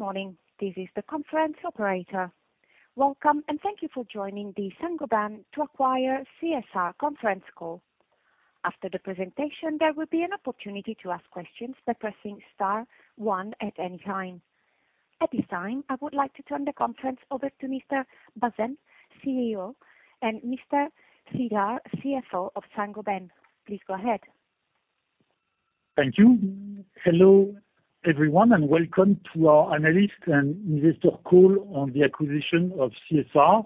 Good morning, this is the conference operator. Welcome, and thank you for joining the Saint-Gobain to acquire CSR conference call. After the presentation, there will be an opportunity to ask questions by pressing star one at any time. At this time, I would like to turn the conference over to Mr. Bazin, CEO, and Mr. Sreedhar, CFO of Saint-Gobain. Please go ahead. Thank you. Hello, everyone, and welcome to our analyst and investor call on the acquisition of CSR.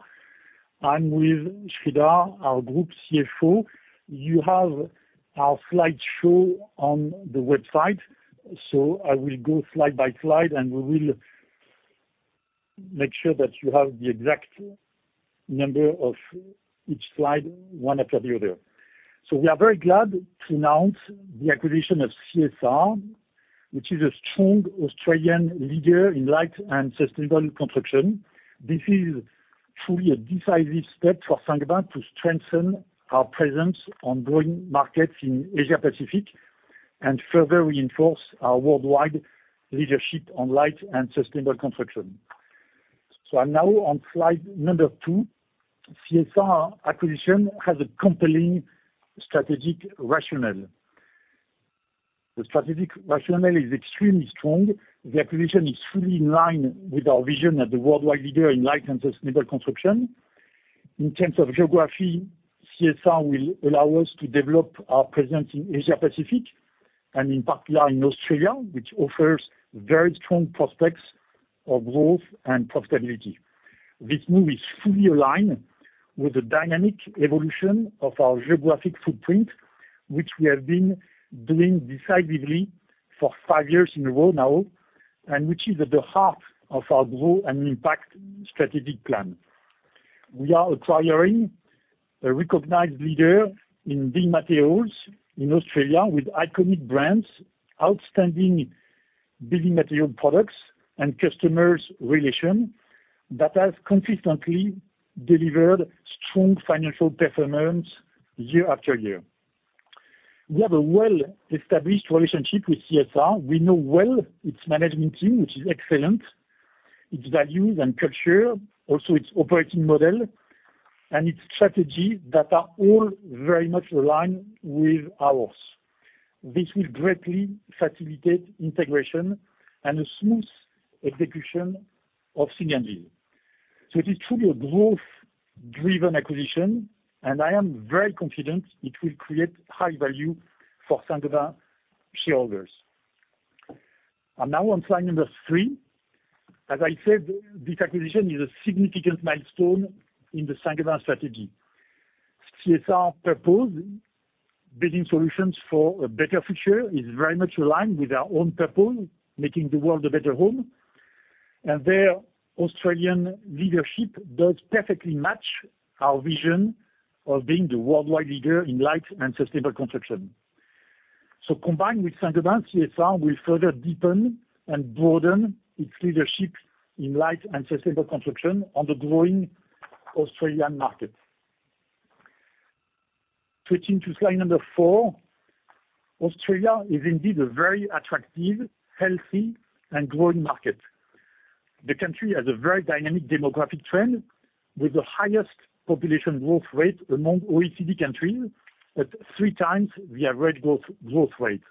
I'm with Sreedhar, our group CFO. You have our slide show on the website, so I will go slide by slide, and we will make sure that you have the exact number of each slide, one after the other. So we are very glad to announce the acquisition of CSR, which is a strong Australian leader in light and sustainable construction. This is truly a decisive step for Saint-Gobain to strengthen our presence on growing markets in Asia Pacific, and further reinforce our worldwide leadership on light and sustainable construction. So I'm now on slide number two. CSR acquisition has a compelling strategic rationale. The strategic rationale is extremely strong. The acquisition is fully in line with our vision as the worldwide leader in light and sustainable construction. In terms of geography, CSR will allow us to develop our presence in Asia Pacific, and in particular in Australia, which offers very strong prospects of growth and profitability. This move is fully aligned with the dynamic evolution of our geographic footprint, which we have been doing decisively for five years in a row now, and which is at the heart of our Grow & Impact strategic plan. We are acquiring a recognized leader in building materials in Australia with iconic brands, outstanding building material products and customers' relation, that has consistently delivered strong financial performance year after year. We have a well-established relationship with CSR. We know well its management team, which is excellent, its values and culture, also its operating model and its strategy that are all very much aligned with ours. This will greatly facilitate integration and a smooth execution of synergy. So it is truly a growth-driven acquisition, and I am very confident it will create high value for Saint-Gobain shareholders. I'm now on slide three. As I said, this acquisition is a significant milestone in the Saint-Gobain strategy. CSR purpose, building solutions for a better future, is very much aligned with our own purpose, making the world a better home, and their Australian leadership does perfectly match our vision of being the worldwide leader in light and sustainable construction. So combined with Saint-Gobain, CSR will further deepen and broaden its leadership in light and sustainable construction on the growing Australian market. Switching to slide four. Australia is indeed a very attractive, healthy, and growing market. The country has a very dynamic demographic trend, with the highest population growth rate among OECD countries, at three times the average growth rate.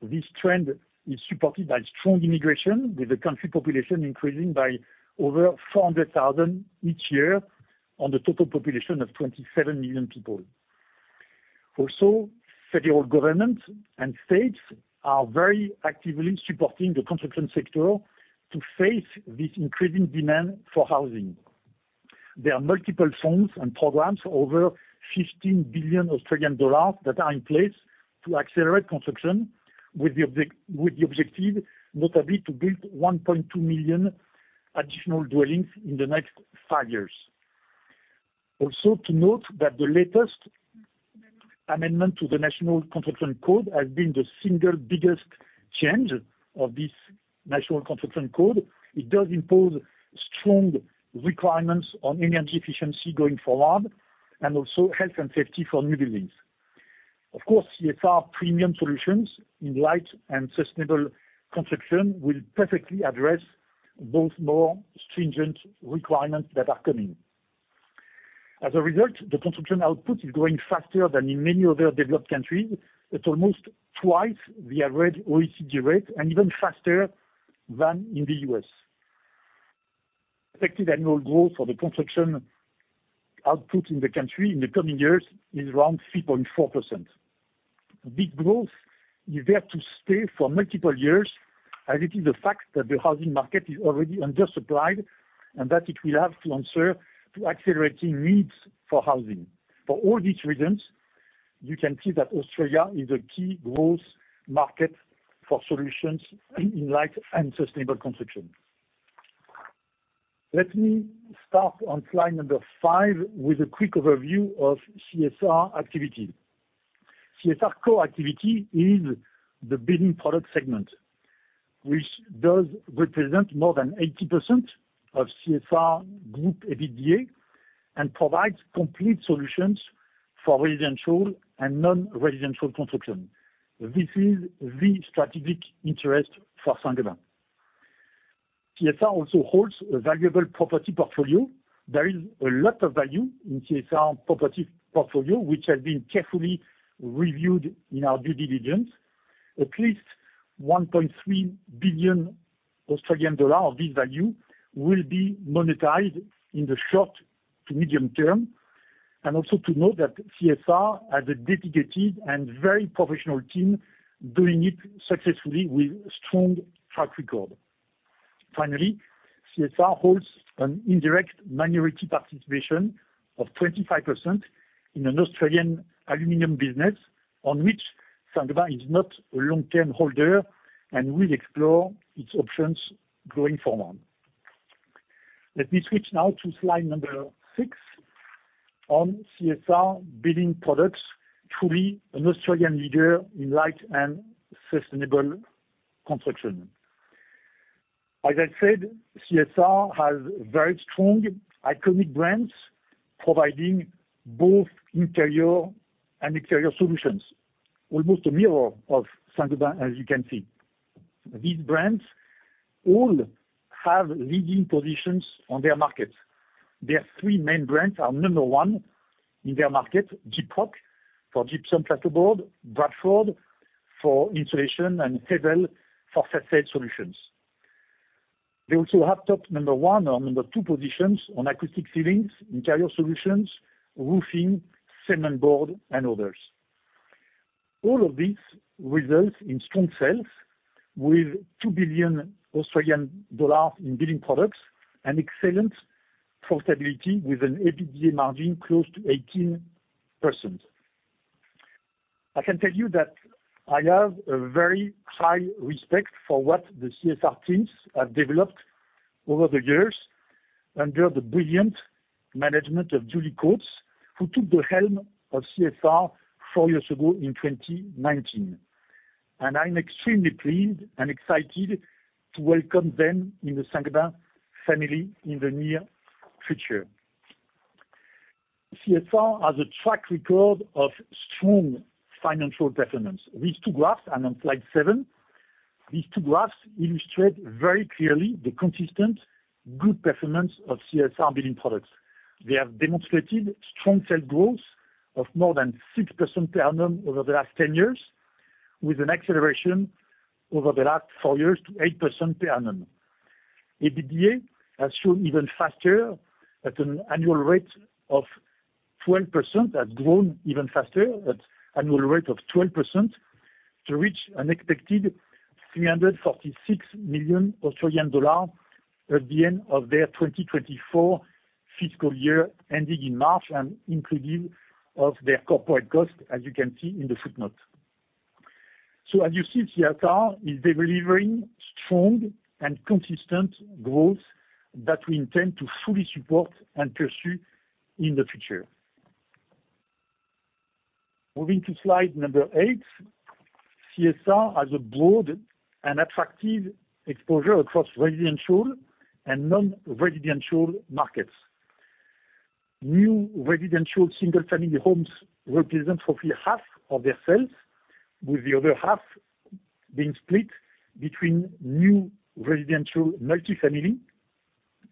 This trend is supported by strong immigration, with the country population increasing by over 400,000 each year on the total population of 27 million people. Also, federal government and states are very actively supporting the construction sector to face this increasing demand for housing. There are multiple funds and programs, over 15 billion Australian dollars, that are in place to accelerate construction, with the objective, notably, to build 1.2 million additional dwellings in the next five years. Also, to note that the latest amendment to the National Construction Code has been the single biggest change of this National Construction Code. It does impose strong requirements on energy efficiency going forward, and also health and safety for new buildings. Of course, CSR premium solutions in light and sustainable construction will perfectly address those more stringent requirements that are coming. As a result, the construction output is growing faster than in many other developed countries. It's almost twice the average OECD rate and even faster than in the U.S. Expected annual growth for the construction output in the country in the coming years is around 3.4%. This growth is there to stay for multiple years, as it is the fact that the housing market is already undersupplied, and that it will have to answer to accelerating needs for housing. For all these reasons, you can see that Australia is a key growth market for solutions in light and sustainable construction. Let me start on slide number five with a quick overview of CSR activity. CSR core activity is the building product segment, which does represent more than 80% of CSR group EBITDA and provides complete solutions for residential and non-residential construction. This is the strategic interest for Saint-Gobain. CSR also holds a valuable property portfolio. There is a lot of value in CSR property portfolio, which has been carefully reviewed in our due diligence. At least 1.3 billion Australian dollar of this value will be monetized in the short to medium term, and also to note that CSR has a dedicated and very professional team doing it successfully with strong track record. Finally, CSR holds an indirect minority participation of 25% in an Australian aluminum business, on which Saint-Gobain is not a long-term holder and will explore its options going forward. Let me switch now to slide number six on CSR Building Products, truly an Australian leader in light and sustainable construction. As I said, CSR has very strong iconic brands providing both interior and exterior solutions, almost a mirror of Saint-Gobain, as you can see. These brands all have leading positions in their markets. Their three main brands are number one in their market, Gyprock, for gypsum plasterboard, Bradford for insulation, and Hebel for facade solutions. They also have top number one or number two positions in acoustic ceilings, interior solutions, roofing, cement board, and others. All of this results in strong sales, with 2 billion Australian dollars in building products and excellent profitability, with an EBITDA margin close to 18%. I can tell you that I have a very high respect for what the CSR teams have developed over the years under the brilliant management of Julie Coates, who took the helm of CSR four years ago in 2019, and I'm extremely pleased and excited to welcome them in the Saint-Gobain family in the near future. CSR has a track record of strong financial performance. These two graphs, and on slide seven, these two graphs illustrate very clearly the consistent good performance of CSR Building Products. They have demonstrated strong sales growth of more than 6% per annum over the last 10 years, with an acceleration over the last four years to 8% per annum. EBITDA has grown even faster, at an annual rate of 12%, to reach an expected 346 million Australian dollars at the end of their 2024 fiscal year, ending in March and including of their corporate cost, as you can see in the footnote. So as you see, CSR is delivering strong and consistent growth that we intend to fully support and pursue in the future. Moving to slide number eight. CSR has a broad and attractive exposure across residential and non-residential markets. New residential single-family homes represent roughly half of their sales, with the other half being split between new residential multifamily,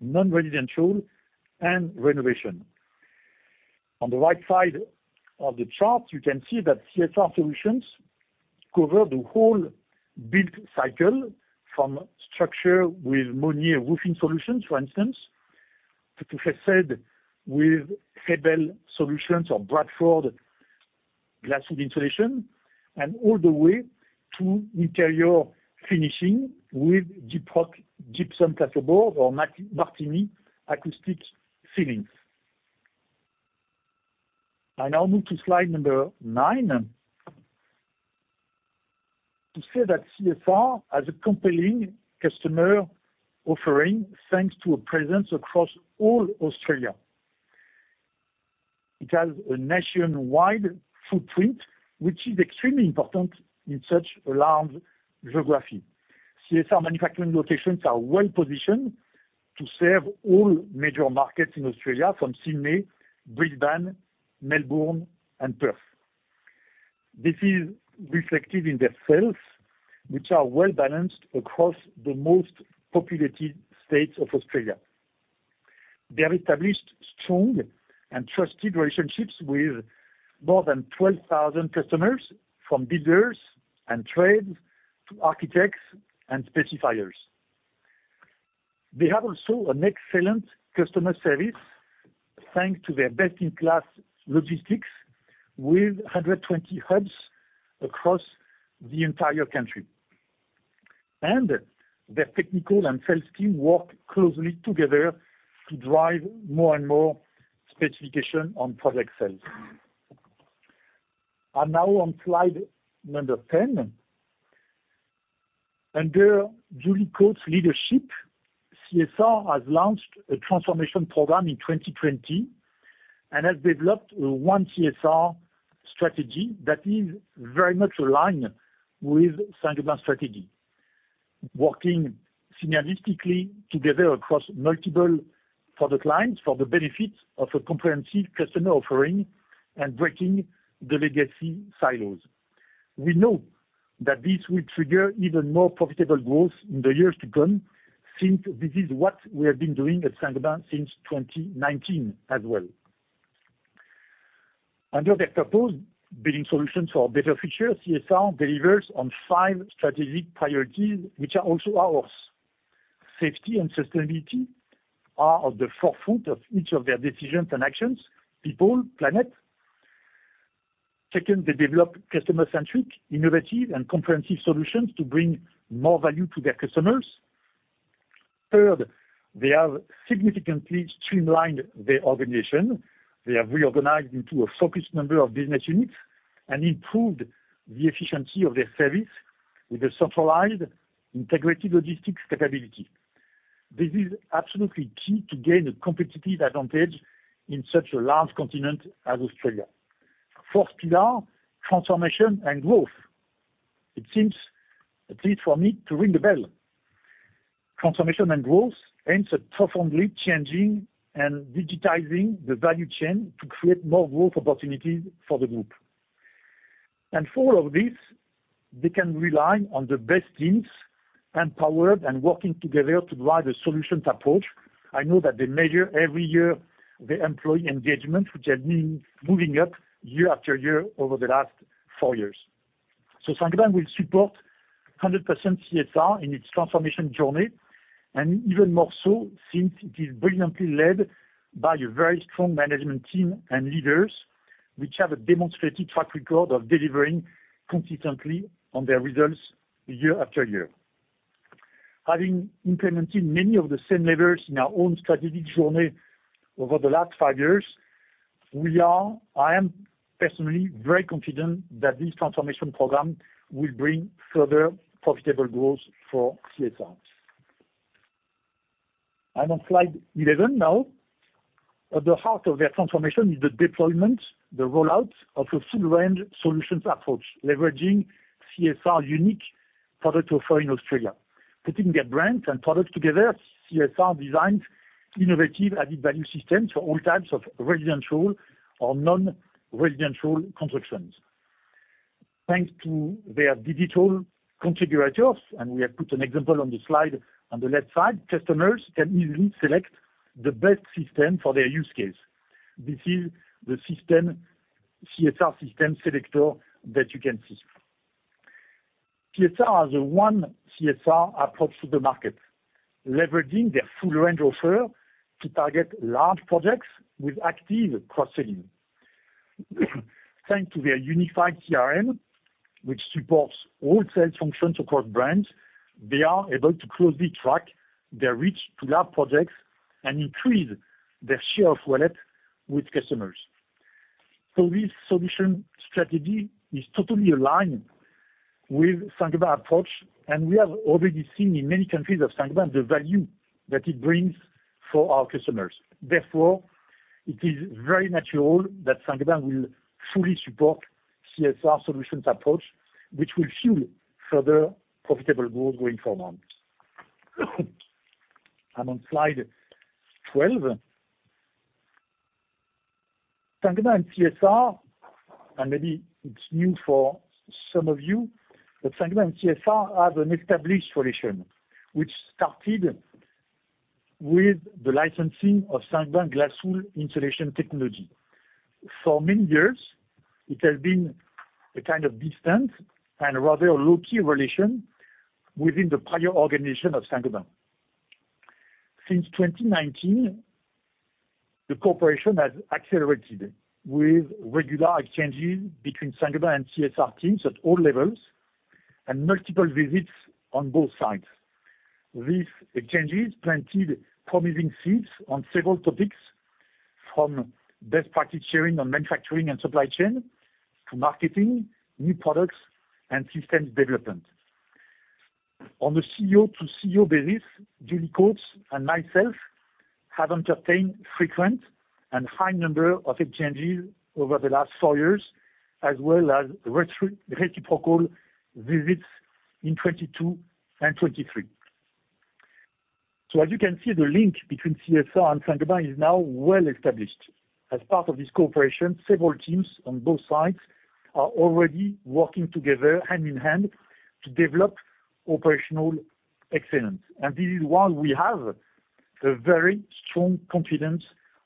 non-residential, and renovation. On the right side of the chart, you can see that CSR solutions cover the whole build cycle, from structure with Monier Roofing Solutions, for instance, to facade with Hebel solutions or Bradford glass insulation, and all the way to interior finishing with Gyprock gypsum plasterboard or Martini acoustic ceilings. I now move to slide number nine. To say that CSR has a compelling customer offering, thanks to a presence across all Australia. It has a nationwide footprint, which is extremely important in such a large geography. CSR manufacturing locations are well positioned to serve all major markets in Australia, from Sydney, Brisbane, Melbourne, and Perth. This is reflected in their sales, which are well-balanced across the most populated states of Australia. They have established strong and trusted relationships with more than 12,000 customers, from builders and trades to architects and specifiers. They have also an excellent customer service, thanks to their best-in-class logistics, with 120 hubs across the entire country. Their technical and sales team work closely together to drive more and more specification on product sales. Now on slide number 10. Under Julie Coates' leadership, CSR has launched a transformation program in 2020, and has developed a One CSR strategy that is very much aligned with Saint-Gobain strategy... working synergistically together across multiple product lines for the benefit of a comprehensive customer offering and breaking the legacy silos. We know that this will trigger even more profitable growth in the years to come, since this is what we have been doing at Saint-Gobain since 2019 as well. Under their purpose, building solutions for a better future, CSR delivers on five strategic priorities, which are also ours. Safety and sustainability are at the forefront of each of their decisions and actions: people, planet. Second, they develop customer-centric, innovative, and comprehensive solutions to bring more value to their customers. Third, they have significantly streamlined their organization. They have reorganized into a focused number of business units and improved the efficiency of their service with a centralized, integrated logistics capability. This is absolutely key to gain a competitive advantage in such a large continent as Australia. Fourth pillar, Transformation and Growth. It seems, at least for me, to ring the bell. Transformation and growth aims at profoundly changing and digitizing the value chain to create more growth opportunities for the group. And for all of this, they can rely on the best teams, empowered and working together to drive a solutions approach. I know that they measure every year the employee engagement, which has been moving up year after year over the last four years. So Saint-Gobain will support 100% CSR in its transformation journey, and even more so, since it is brilliantly led by a very strong management team and leaders, which have a demonstrated track record of delivering consistently on their results year after year. Having implemented many of the same levers in our own strategic journey over the last five years, we are, I am personally very confident that this transformation program will bring further profitable growth for CSR. I'm on slide 11 now. At the heart of their transformation is the deployment, the rollout of a full range solutions approach, leveraging CSR unique product offering in Australia. Putting their brands and products together, CSR designs innovative added-value systems for all types of residential or non-residential constructions. Thanks to their digital configurators, and we have put an example on the slide on the left side, customers can easily select the best system for their use case. This is the system, CSR system selector that you can see. CSR has a One CSR approach to the market, leveraging their full range offer to target large projects with active cross-selling. Thanks to their unified CRM, which supports all sales functions across brands, they are able to closely track their reach to large projects and increase their share of wallet with customers. So this solution strategy is totally aligned with Saint-Gobain approach, and we have already seen in many countries of Saint-Gobain the value that it brings for our customers. Therefore, it is very natural that Saint-Gobain will fully support CSR solutions approach, which will fuel further profitable growth going forward. I'm on slide 12. Saint-Gobain and CSR, and maybe it's new for some of you, but Saint-Gobain and CSR have an established relation, which started with the licensing of Saint-Gobain glass wool insulation technology. For many years, it has been a kind of distant and rather low-key relation within the prior organization of Saint-Gobain. Since 2019, the cooperation has accelerated, with regular exchanges between Saint-Gobain and CSR teams at all levels and multiple visits on both sides. These exchanges planted promising seeds on several topics, from best practice sharing on manufacturing and supply chain, to marketing, new products, and systems development. On the CEO to CEO basis, Julie Coates and myself have entertained frequent and high number of exchanges over the last four years, as well as reciprocal visits in 2022 and 2023. So as you can see, the link between CSR and Saint-Gobain is now well established. As part of this cooperation, several teams on both sides are already working together hand in hand to develop operational excellence, and this is why we have a very strong confidence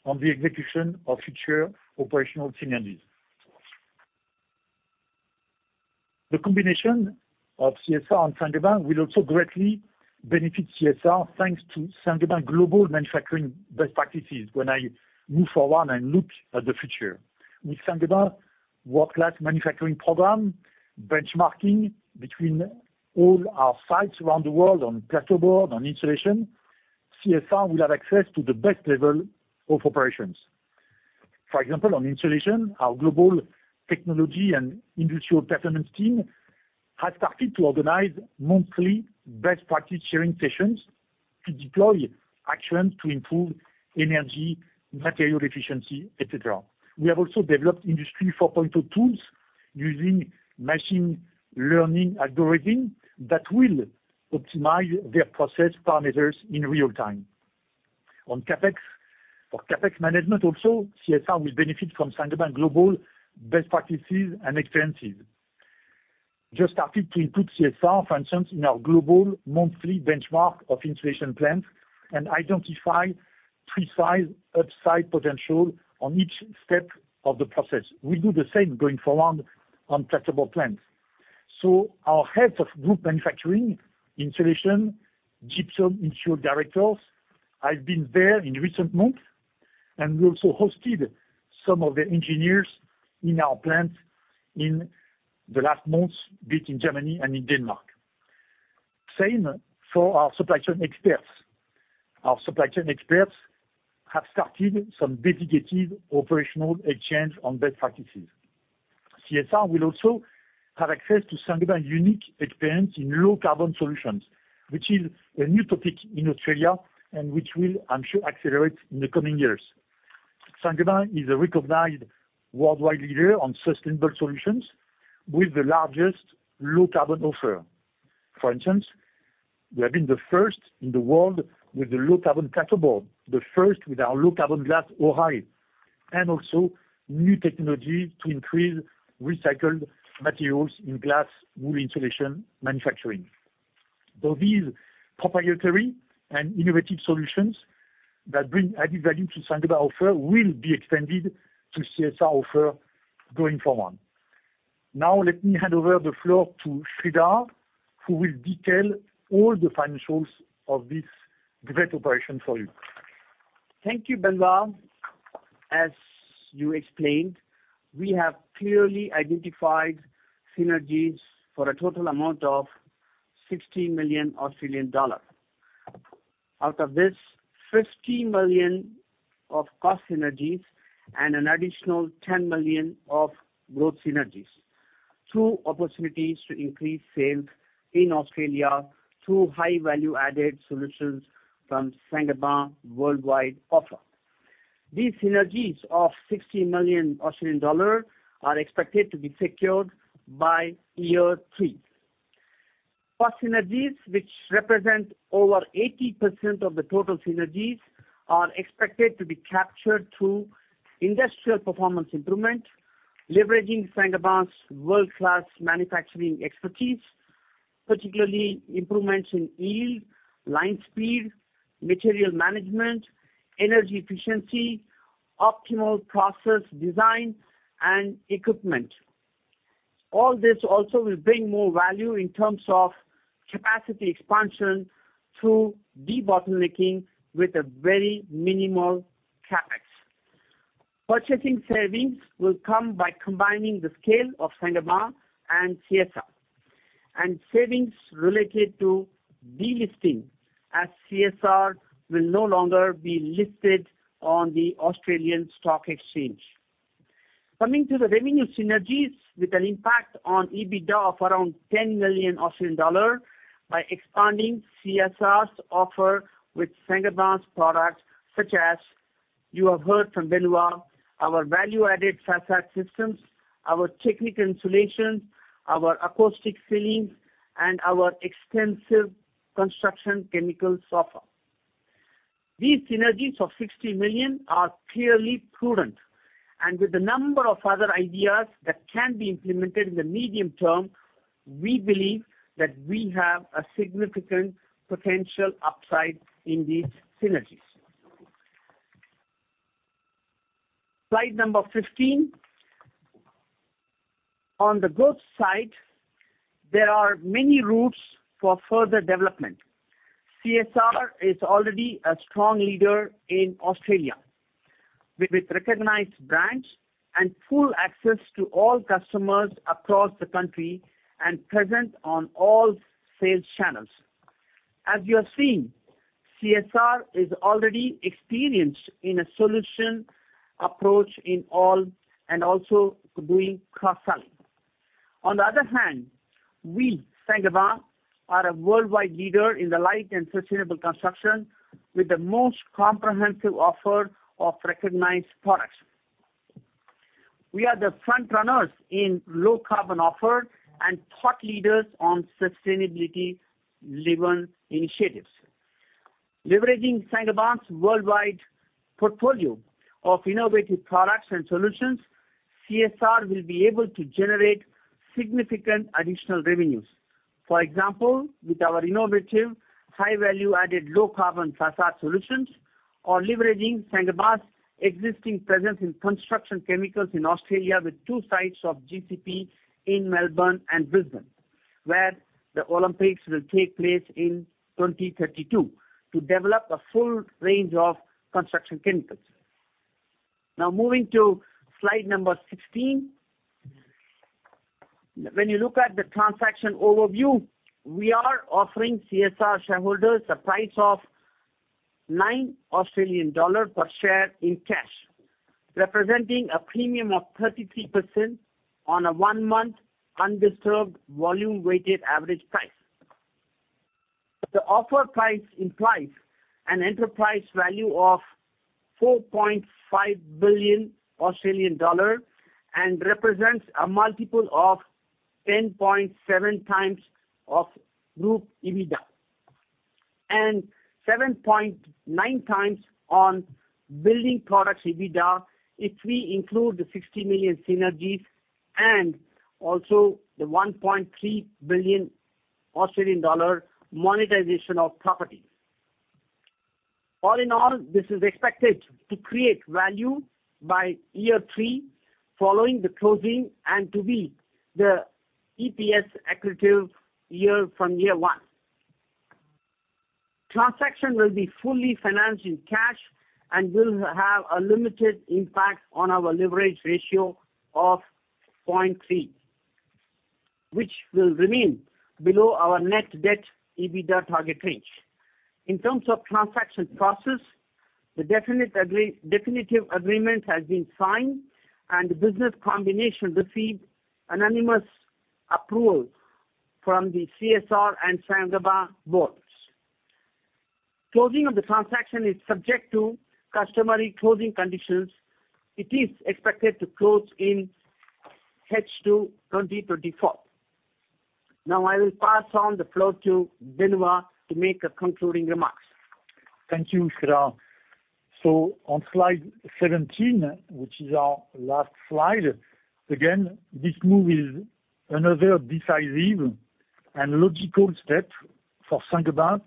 on the execution of future operational synergies. The combination of CSR and Saint-Gobain will also greatly benefit CSR, thanks to Saint-Gobain global manufacturing best practices when I move forward and look at the future. With Saint-Gobain world-class manufacturing program, benchmarking between all our sites around the world on plasterboard, on insulation, CSR will have access to the best level of operations. For example, on insulation, our global technology and industrial performance team has started to organize monthly best practice sharing sessions to deploy actions to improve energy, material efficiency, et cetera. We have also developed Industry 4.0 tools using machine learning algorithm that will optimize their process parameters in real time. On CapEx, for CapEx management also, CSR will benefit from Saint-Gobain global best practices and experiences. Just started to include CSR, for instance, in our global monthly benchmark of insulation plants, and identify precise upside potential on each step of the process. We do the same going forward on flat glass plants. So our heads of group manufacturing, insulation, gypsum, interior solutions directors, I've been there in recent months, and we also hosted some of the engineers in our plants in the last months, be it in Germany and in Denmark. Same for our supply chain experts. Our supply chain experts have started some dedicated operational exchange on best practices. CSR will also have access to Saint-Gobain's unique experience in low carbon solutions, which is a new topic in Australia, and which will, I'm sure, accelerate in the coming years. Saint-Gobain is a recognized worldwide leader on sustainable solutions with the largest low carbon offer. For instance, we have been the first in the world with the low carbon plasterboard, the first with our low carbon glass, ORAÉ, and also new technologies to increase recycled materials in glass wool insulation manufacturing. So these proprietary and innovative solutions that bring added value to Saint-Gobain offer will be extended to CSR offer going forward. Now let me hand over the floor to Sreedhar, who will detail all the financials of this great operation for you. Thank you, Benoit. As you explained, we have clearly identified synergies for a total amount of 60 million Australian dollar. Out of this, 50 million of cost synergies and an additional 10 million of growth synergies, through opportunities to increase sales in Australia through high value-added solutions from Saint-Gobain worldwide offer. These synergies of 60 million Australian dollars are expected to be secured by year three. Cost synergies, which represent over 80% of the total synergies, are expected to be captured through industrial performance improvement, leveraging Saint-Gobain's world-class manufacturing expertise, particularly improvements in yield, line speed, material management, energy efficiency, optimal process design, and equipment. All this also will bring more value in terms of capacity expansion through debottlenecking with a very minimal CapEx. Purchasing savings will come by combining the scale of Saint-Gobain and CSR, and savings related to delisting, as CSR will no longer be listed on the Australian Stock Exchange. Coming to the revenue synergies, with an impact on EBITDA of around 10 million Australian dollar, by expanding CSR's offer with Saint-Gobain's products, such as you have heard from Benoit, our value-added facade systems, our technical insulation, our acoustic ceilings, and our extensive construction chemical software. These synergies of 60 million are clearly prudent, and with the number of other ideas that can be implemented in the medium term, we believe that we have a significant potential upside in these synergies. Slide number 15. On the growth side, there are many routes for further development. CSR is already a strong leader in Australia, with recognized brands and full access to all customers across the country and present on all sales channels. As you have seen, CSR is already experienced in a solution approach in all and also doing cross-selling. On the other hand, we, Saint-Gobain, are a worldwide leader in the light and sustainable construction, with the most comprehensive offer of recognized products. We are the front runners in low carbon offer and thought leaders on sustainability-driven initiatives. Leveraging Saint-Gobain's worldwide portfolio of innovative products and solutions, CSR will be able to generate significant additional revenues. For example, with our innovative, high-value added, low-carbon facade solutions, or leveraging Saint-Gobain's existing presence in construction chemicals in Australia, with two sites of GCP in Melbourne and Brisbane, where the Olympics will take place in 2032, to develop a full range of construction chemicals. Now, moving to slide number 16. When you look at the transaction overview, we are offering CSR shareholders a price of 9 Australian dollar per share in cash. representing a premium of 33% on a 1-month undisturbed volume weighted average price. The offer price implies an enterprise value of 4.5 billion Australian dollar, and represents a multiple of 10.7x of Group EBITDA, and 7.9x on building products EBITDA, if we include the 60 million synergies and also the 1.3 billion Australian dollar monetization of property. All in all, this is expected to create value by year three, following the closing, and to be the EPS accretive year from year one. Transaction will be fully financed in cash and will have a limited impact on our leverage ratio of 0.3, which will remain below our net debt EBITDA target range. In terms of transaction process, the definitive agreement has been signed, and the business combination received unanimous approval from the CSR and Saint-Gobain boards. Closing of the transaction is subject to customary closing conditions. It is expected to close in H2 2024. Now I will pass on the floor to Benoit to make a concluding remarks. Thank you, Sreedhar. So on slide 17, which is our last slide, again, this move is another decisive and logical step for Saint-Gobain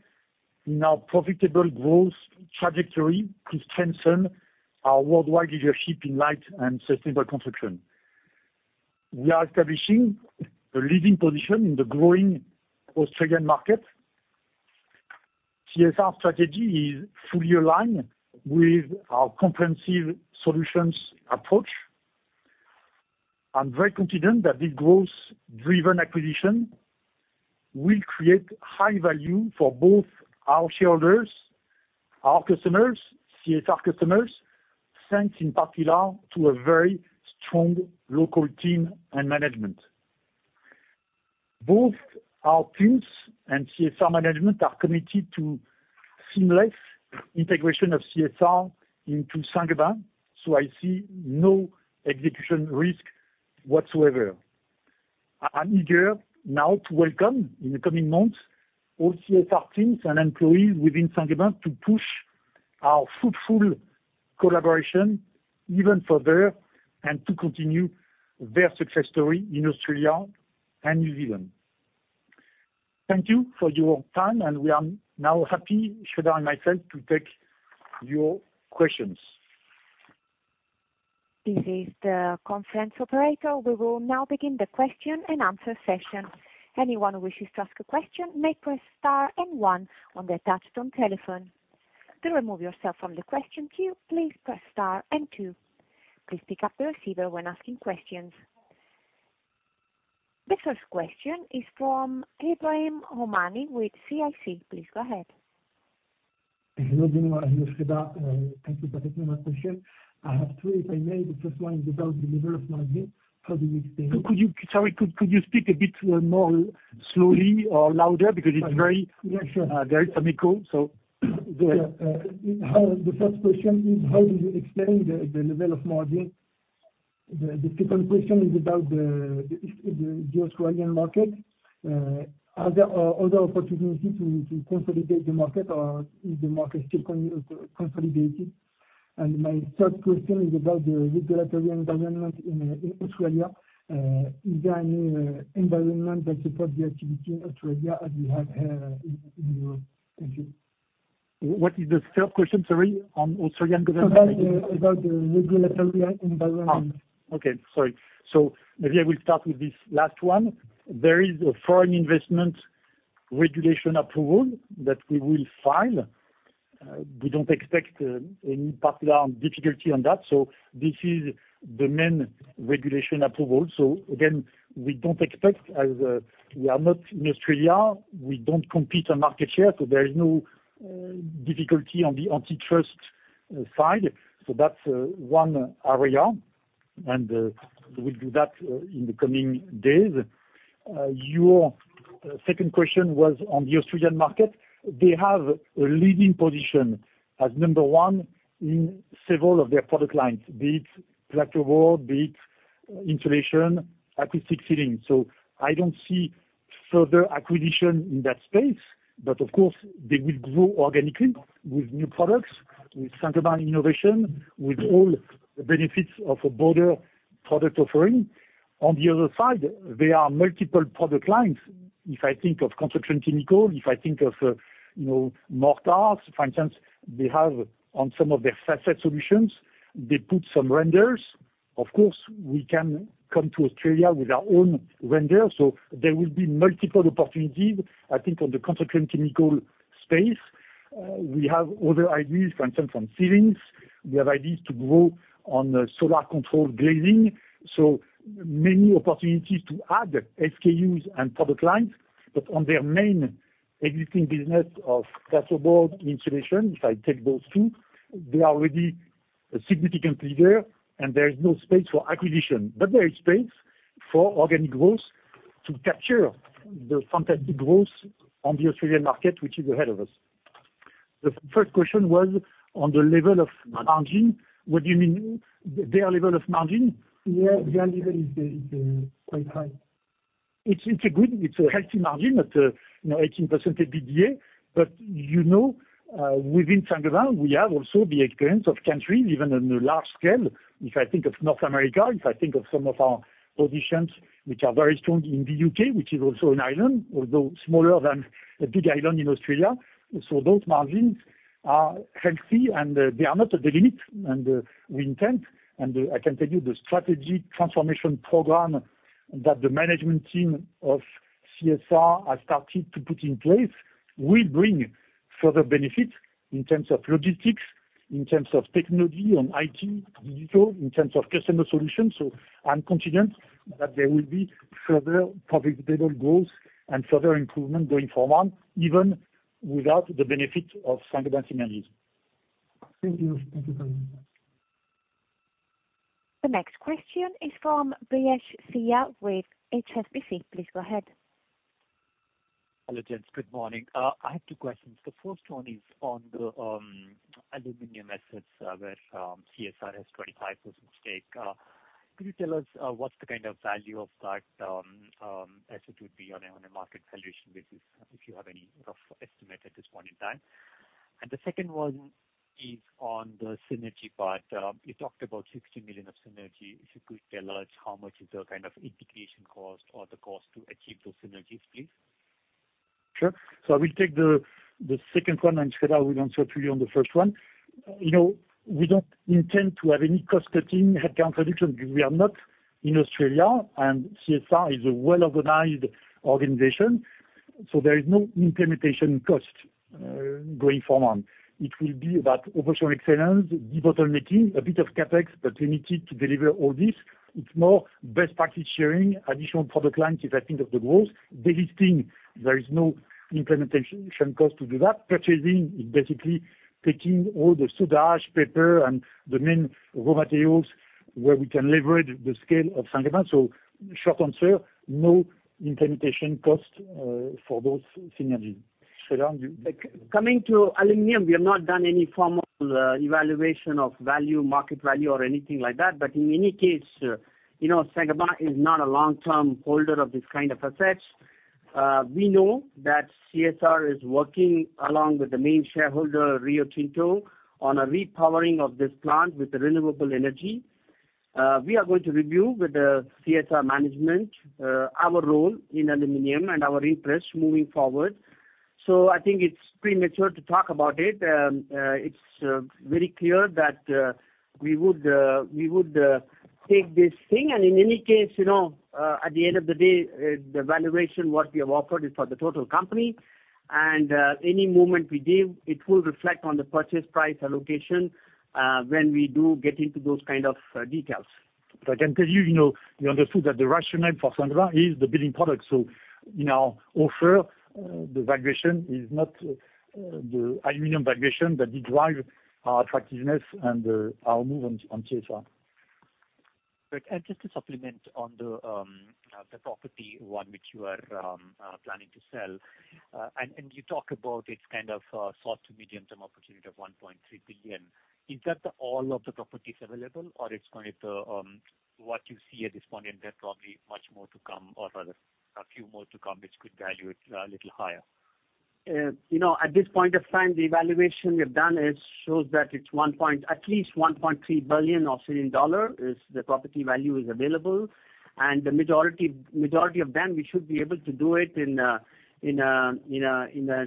in our profitable growth trajectory to strengthen our worldwide leadership in light and sustainable construction. We are establishing a leading position in the growing Australian market. CSR strategy is fully aligned with our comprehensive solutions approach. I'm very confident that this growth-driven acquisition will create high value for both our shareholders, our customers, CSR customers, thanks in particular to a very strong local team and management. Both our teams and CSR management are committed to seamless integration of CSR into Saint-Gobain, so I see no execution risk whatsoever. I'm eager now to welcome, in the coming months, all CSR teams and employees within Saint-Gobain to push our fruitful collaboration even further, and to continue their success story in Australia and New Zealand. Thank you for your time, and we are now happy, Sreedhar and myself, to take your questions. This is the conference operator. We will now begin the question and answer session. Anyone who wishes to ask a question, may press star and one on the touchtone telephone. To remove yourself from the question queue, please press star and two. Please pick up the receiver when asking questions. The first question is from Ebrahim Homani with CIC. Please go ahead. Hello, Benoit and Sreedhar. Thank you for taking my question. I have three, if I may. The first one is about the level of margin. How do we explain- Could you speak a bit more slowly or louder? Because it's very- Yeah, sure. Very echoey. So Yeah, how... The first question is: how do you explain the level of margin? The second question is about the Australian market. Are there other opportunities to consolidate the market, or is the market still consolidated? And my third question is about the regulatory environment in Australia. Is there any environment that support the activity in Australia as you have in Europe? Thank you. What is the third question, sorry, on Australian government? About the regulatory environment. Ah, okay. Sorry. So maybe I will start with this last one. There is a foreign investment regulation approval that we will file. We don't expect any particular difficulty on that, so this is the main regulation approval. So again, we don't expect as we are not in Australia, we don't compete on market share, so there is no difficulty on the antitrust side. So that's one area, and we'll do that in the coming days. Your second question was on the Australian market. They have a leading position as number one in several of their product lines, be it plasterboard, be it insulation, acoustic ceiling. So I don't see further acquisition in that space, but of course, they will grow organically with new products, with Saint-Gobain innovation, with all the benefits of a broader product offering. On the other side, there are multiple product lines. If I think of construction chemical, if I think of, you know, mortars, for instance, they have on some of their facade solutions, they put some renders. Of course, we can come to Australia with our own render, so there will be multiple opportunities. I think on the construction chemical space, we have other ideas, for instance, on ceilings, we have ideas to grow on the solar control glazing. So many opportunities to add SKUs and product lines, but on their main existing business of plasterboard insulation, if I take those two, they are already a significant leader, and there is no space for acquisition. But there is space for organic growth to capture the fantastic growth on the Australian market, which is ahead of us. The first question was on the level of margin. What do you mean, their level of margin? Yeah, their level is quite high. It's a good, healthy margin at, you know, 18% EBITDA. But, you know, within Saint-Gobain, we have also the experience of countries, even on a large scale. If I think of North America, if I think of some of our positions which are very strong in the U.K., which is also an island, although smaller than the big island in Australia. So those margins are healthy, and, they are not at the limit. And, we intend, and, I can tell you the strategy transformation program that the management team of CSR has started to put in place will bring further benefit in terms of logistics, in terms of technology on IT, digital, in terms of customer solutions. So I'm confident that there will be further profitable growth and further improvement going forward, even without the benefit of Saint-Gobain synergies. Thank you. Thank you very much. The next question is from Brijesh Siya with HSBC. Please go ahead. Hello, gents. Good morning. I have two questions. The first one is on the aluminum assets, where CSR has 25% stake. Could you tell us what's the kind of value of that asset would be on a market valuation basis, if you have any rough estimate at this point in time? And the second one is on the synergy part. You talked about 60 million of synergy. If you could tell us, how much is the kind of integration cost or the cost to achieve those synergies, please? Sure. So I will take the second one, and Sreedhar will answer to you on the first one. You know, we don't intend to have any cost cutting, headcount reduction, because we are not in Australia, and CSR is a well-organized organization. So there is no implementation cost going forward. It will be about operational excellence, debottlenecking, a bit of CapEx, but we need to deliver all this. It's more best practice sharing, additional product lines, if I think of the growth. Divesting, there is no implementation cost to do that. Purchasing is basically taking all the soda ash, paper, and the main raw materials where we can leverage the scale of Saint-Gobain. So short answer, no implementation cost for those synergies. Sreedhar, you- Coming to aluminum, we have not done any formal evaluation of value, market value or anything like that. But in any case, you know, Saint-Gobain is not a long-term holder of this kind of assets. We know that CSR is working along with the main shareholder, Rio Tinto, on a repowering of this plant with renewable energy. We are going to review with the CSR management our role in aluminum and our interest moving forward. So I think it's premature to talk about it. It's very clear that we would take this thing. In any case, you know, at the end of the day, the valuation, what we have offered is for the total company, and any movement we give, it will reflect on the purchase price allocation, when we do get into those kind of details. But I can tell you, you know, we understood that the rationale for Saint-Gobain is the building product. So in our offer, the valuation is not the aluminum valuation that did drive our attractiveness and our move on CSR. But, and just to supplement on the property, one which you are planning to sell. And you talk about it's kind of short to medium-term opportunity of 1.3 billion. Is that the all of the properties available, or it's kind of what you see at this point, and there's probably much more to come, or rather a few more to come, which could value it a little higher? You know, at this point of time, the evaluation we have done is, shows that it's one point, at least 1.3 billion Australian dollar is the property value is available. And the majority, majority of them, we should be able to do it in a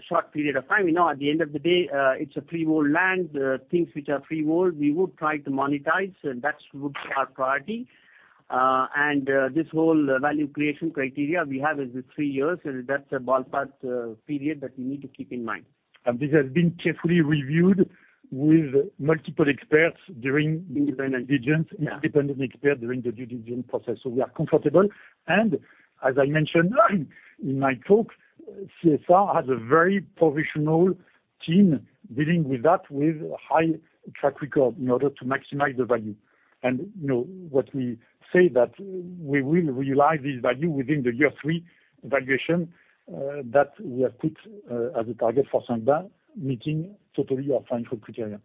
short period of time. You know, at the end of the day, it's a freehold land. Things which are freehold, we would try to monetize, and that would be our priority. And this whole value creation criteria we have is three years, and that's a ballpark period that we need to keep in mind. This has been carefully reviewed with multiple experts during the due diligence. Yeah... independent expert during the due diligence process. So we are comfortable, and as I mentioned in my talk, CSR has a very professional team dealing with that, with high track record in order to maximize the value. And you know, what we say that we will realize this value within the year three valuation that we have put as a target for Saint-Gobain, meeting totally our financial criteria.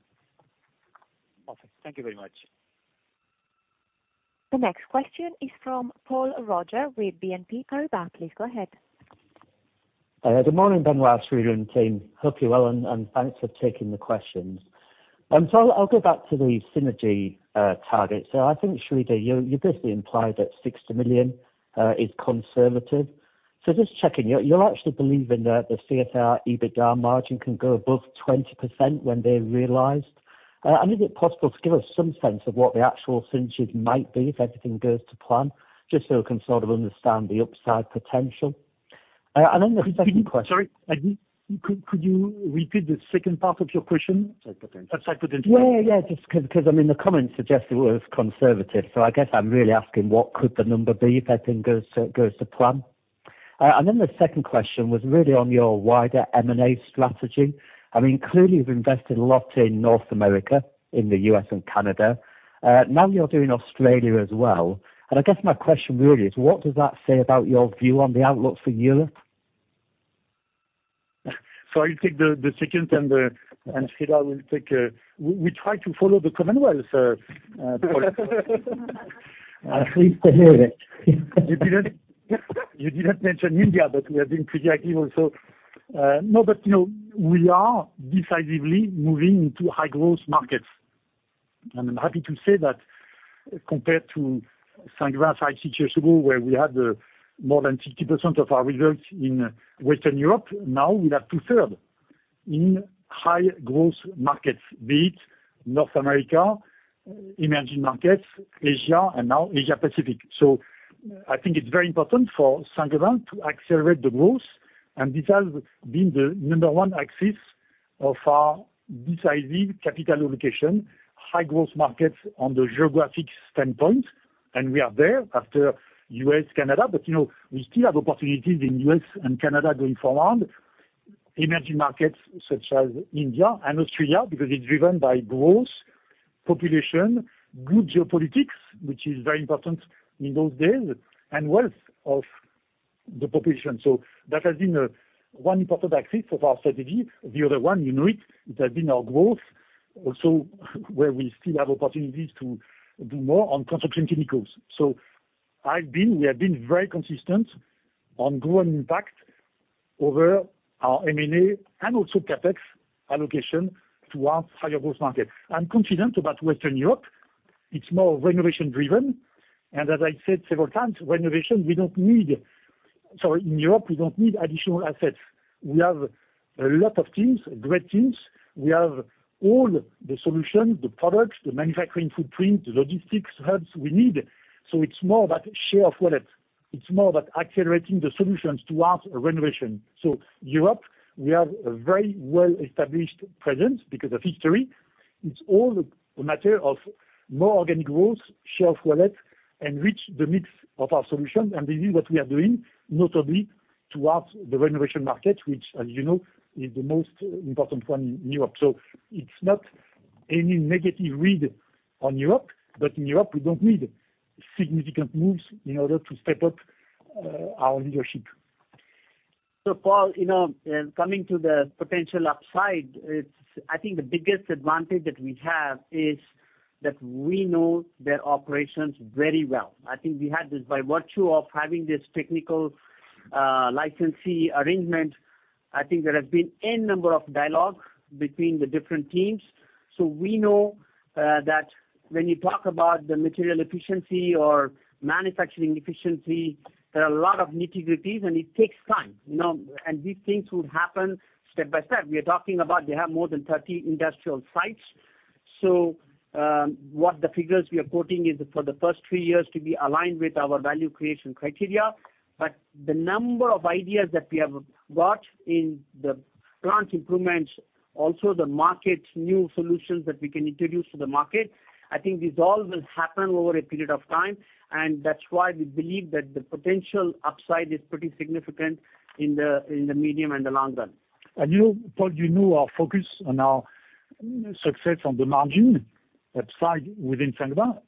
Awesome. Thank you very much. The next question is from Paul Roger with BNP Paribas. Please go ahead. Good morning, Benoit, Sreedhar, and team. Hope you're well, and thanks for taking the questions. I'll go back to the synergy target. I think, Sreedhar, you basically implied that 60 million is conservative. Just checking, you actually believe in the CSR EBITDA margin can go above 20% when they're realized? And is it possible to give us some sense of what the actual synergies might be if everything goes to plan, just so we can sort of understand the upside potential? And then the second question- Sorry, could you repeat the second part of your question? Upside potential. Upside potential. Yeah, yeah, just 'cause I mean, the comments suggest it was conservative. So I guess I'm really asking, what could the number be if everything goes to plan? And then the second question was really on your wider M&A strategy. I mean, clearly, you've invested a lot in North America, in the U.S. and Canada, now you're doing Australia as well. And I guess my question really is: what does that say about your view on the outlook for Europe? So I'll take the second, and Sreedhar will take... We try to follow the Commonwealth, sir. I'm pleased to hear that. You didn't, you didn't mention India, but we have been pretty active also. No, but, you know, we are decisively moving into high growth markets, and I'm happy to say that compared to Saint-Gobain five, six years ago, where we had more than 60% of our results in Western Europe, now we have two-thirds in high growth markets, be it North America, emerging markets, Asia, and now Asia Pacific. So I think it's very important for Saint-Gobain to accelerate the growth, and this has been the number one axis of our decisive capital allocation, high growth markets on the geographic standpoint, and we are there after U.S., Canada. But, you know, we still have opportunities in U.S. and Canada going forward. Emerging markets such as India and Australia, because it's driven by growth, population, good geopolitics, which is very important in those days, and wealth of the population. So that has been one important axis of our strategy. The other one, you know it, it has been our growth, also where we still have opportunities to do more on construction chemicals. So I've been, we have been very consistent on growing impact over our M&A and also CapEx allocation towards higher growth market. I'm confident about Western Europe. It's more renovation driven, and as I said several times, renovation, we don't need... Sorry, in Europe, we don't need additional assets. We have a lot of teams, great teams. We have all the solutions, the products, the manufacturing footprint, the logistics hubs we need. So it's more about share of wallet. It's more about accelerating the solutions towards a renovation. So Europe, we have a very well-established presence because of history. It's all a matter of more organic growth, share of wallet, and reach the mix of our solutions, and this is what we are doing, notably towards the renovation market, which, as you know, is the most important one in Europe. So it's not any negative read on Europe, but in Europe we don't need significant moves in order to step up, our leadership. So Paul, you know, coming to the potential upside, it's. I think the biggest advantage that we have is that we know their operations very well. I think we had this, by virtue of having this technical, licensee arrangement, I think there have been n number of dialogues between the different teams. So we know, that when you talk about the material efficiency or manufacturing efficiency, there are a lot of nitty-gritties, and it takes time, you know, and these things will happen step by step. We are talking about, they have more than 30 industrial sites. So, what the figures we are quoting is for the first three years to be aligned with our value creation criteria. But the number of ideas that we have got in the plant improvements, also the market, new solutions that we can introduce to the market, I think this all will happen over a period of time, and that's why we believe that the potential upside is pretty significant in the, in the medium and the long run. You, Paul, you know our focus on our success on the margin upside within Saint-Gobain.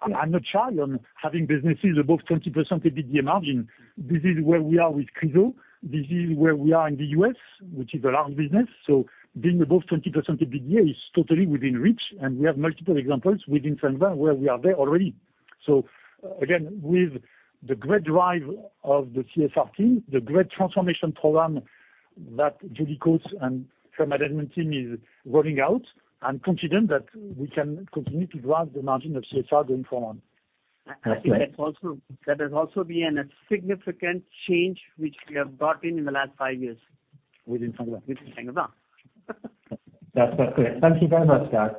I'm not shy on having businesses above 20% EBITDA margin. This is where we are with Chryso. This is where we are in the U.S., which is a large business. So being above 20% EBITDA is totally within reach, and we have multiple examples within Saint-Gobain where we are there already. So again, with the great drive of the CSR team, the great transformation program that Julie Coates and her management team is rolling out, I'm confident that we can continue to drive the margin of CSR going forward. I think that's also, that has also been a significant change which we have brought in the last five years. Within Saint-Gobain. Within Saint-Gobain. That's perfect. Thank you very much, guys.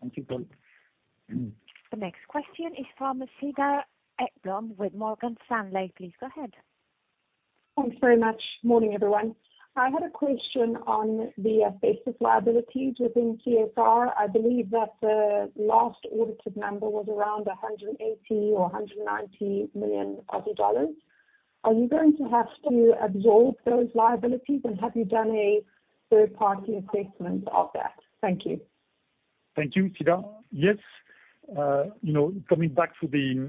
Thank you, Paul. The next question is from Cedar Ekblom with Morgan Stanley. Please go ahead. Thanks very much. Morning, everyone. I had a question on the asbestos liabilities within CSR. I believe that the last audited number was around 180 million dollars or 190 million Aussie dollars. Are you going to have to absorb those liabilities, and have you done a third-party assessment of that? Thank you. Thank you, Cedar. Yes, you know, coming back to the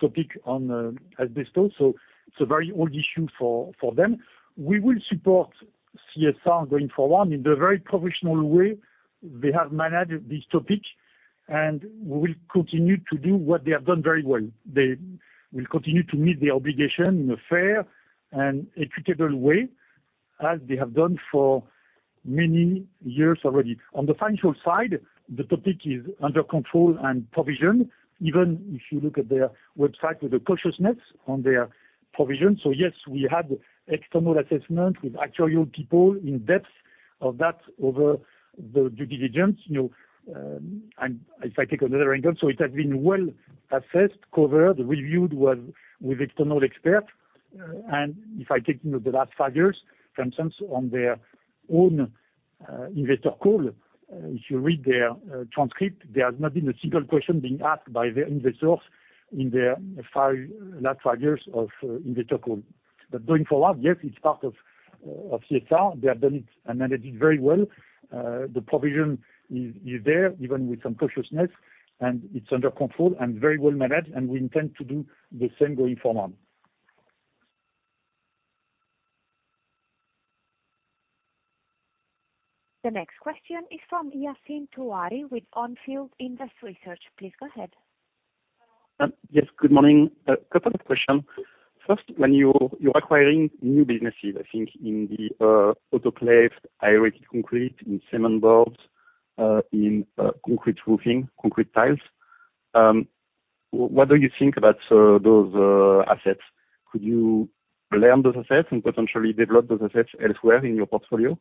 topic on asbestos, so it's a very old issue for them. We will support CSR going forward. In a very professional way, they have managed this topic, and we will continue to do what they have done very well. They will continue to meet their obligation in a fair and equitable way, as they have done for many years already. On the financial side, the topic is under control and provisioned, even if you look at their website with a cautiousness on their provision. So yes, we had external assessment with actuarial people in depth of that over the due diligence, you know, and if I take another angle, so it has been well assessed, covered, reviewed with external experts. If I take, you know, the last five years, for instance, on their own investor call, if you read their transcript, there has not been a single question being asked by their investors in their five, last five years of investor call. But going forward, yes, it's part of CSR. They have done it, and managed it very well. The provision is there, even with some cautiousness, and it's under control and very well managed, and we intend to do the same going forward. The next question is from Yassine Touahri with On Field Investment Research. Please go ahead. Yes, good morning. A couple of questions. First, when you're acquiring new businesses, I think in the autoclaved aerated concrete, in cement boards, in concrete roofing, concrete tiles, what do you think about those assets? Could you run those assets and potentially develop those assets elsewhere in your portfolio?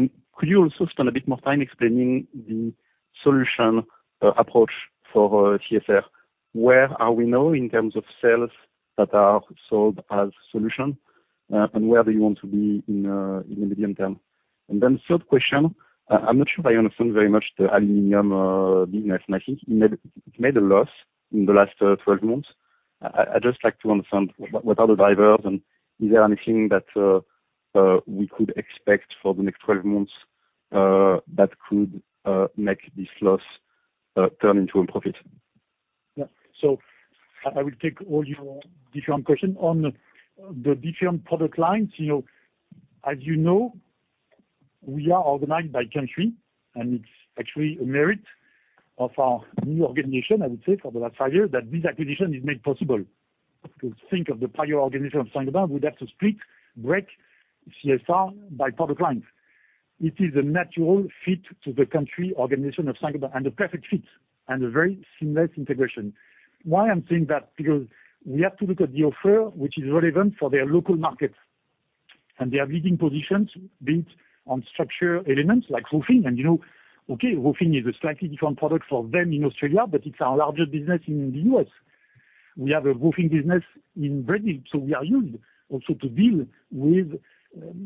And could you also spend a bit more time explaining the solution approach for CSR? Where are we now in terms of sales that are sold as solution, and where do you want to be in the medium term? And then third question, I'm not sure if I understand very much the aluminum business, and I think it made a loss in the last 12 months. I'd just like to understand what are the drivers and is there anything that we could expect for the next 12 months that could make this loss turn into a profit? Yeah. So I, I will take all your different questions. On the different product lines, you know, as you know, we are organized by country, and it's actually a merit of our new organization, I would say, for the last five years, that this acquisition is made possible. To think of the prior organization of Saint-Gobain, we'd have to split, break CSR by product line. It is a natural fit to the country organization of Saint-Gobain, and a perfect fit, and a very seamless integration. Why I'm saying that? Because we have to look at the offer, which is relevant for their local market, and they are leading positions built on structure elements, like roofing. And, you know, okay, roofing is a slightly different product for them in Australia, but it's our largest business in the U.S. We have a roofing business in Brazil, so we are used also to deal with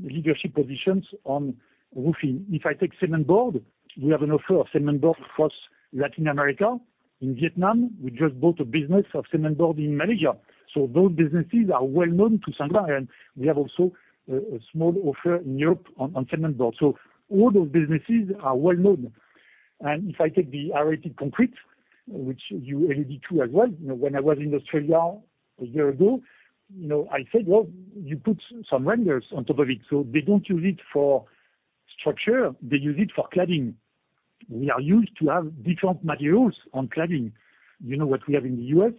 leadership positions on roofing. If I take cement board, we have an offer of cement board across Latin America, in Vietnam. We just bought a business of cement board in Malaysia. So those businesses are well known to Saint-Gobain, and we have also a small offer in Europe on cement board. So all those businesses are well known. And if I take the aerated concrete, which you alluded to as well, you know, when I was in Australia a year ago, you know, I said, "Well, you put some renders on top of it." So they don't use it for structure, they use it for cladding. We are used to have different materials on cladding, you know, what we have in the U.S.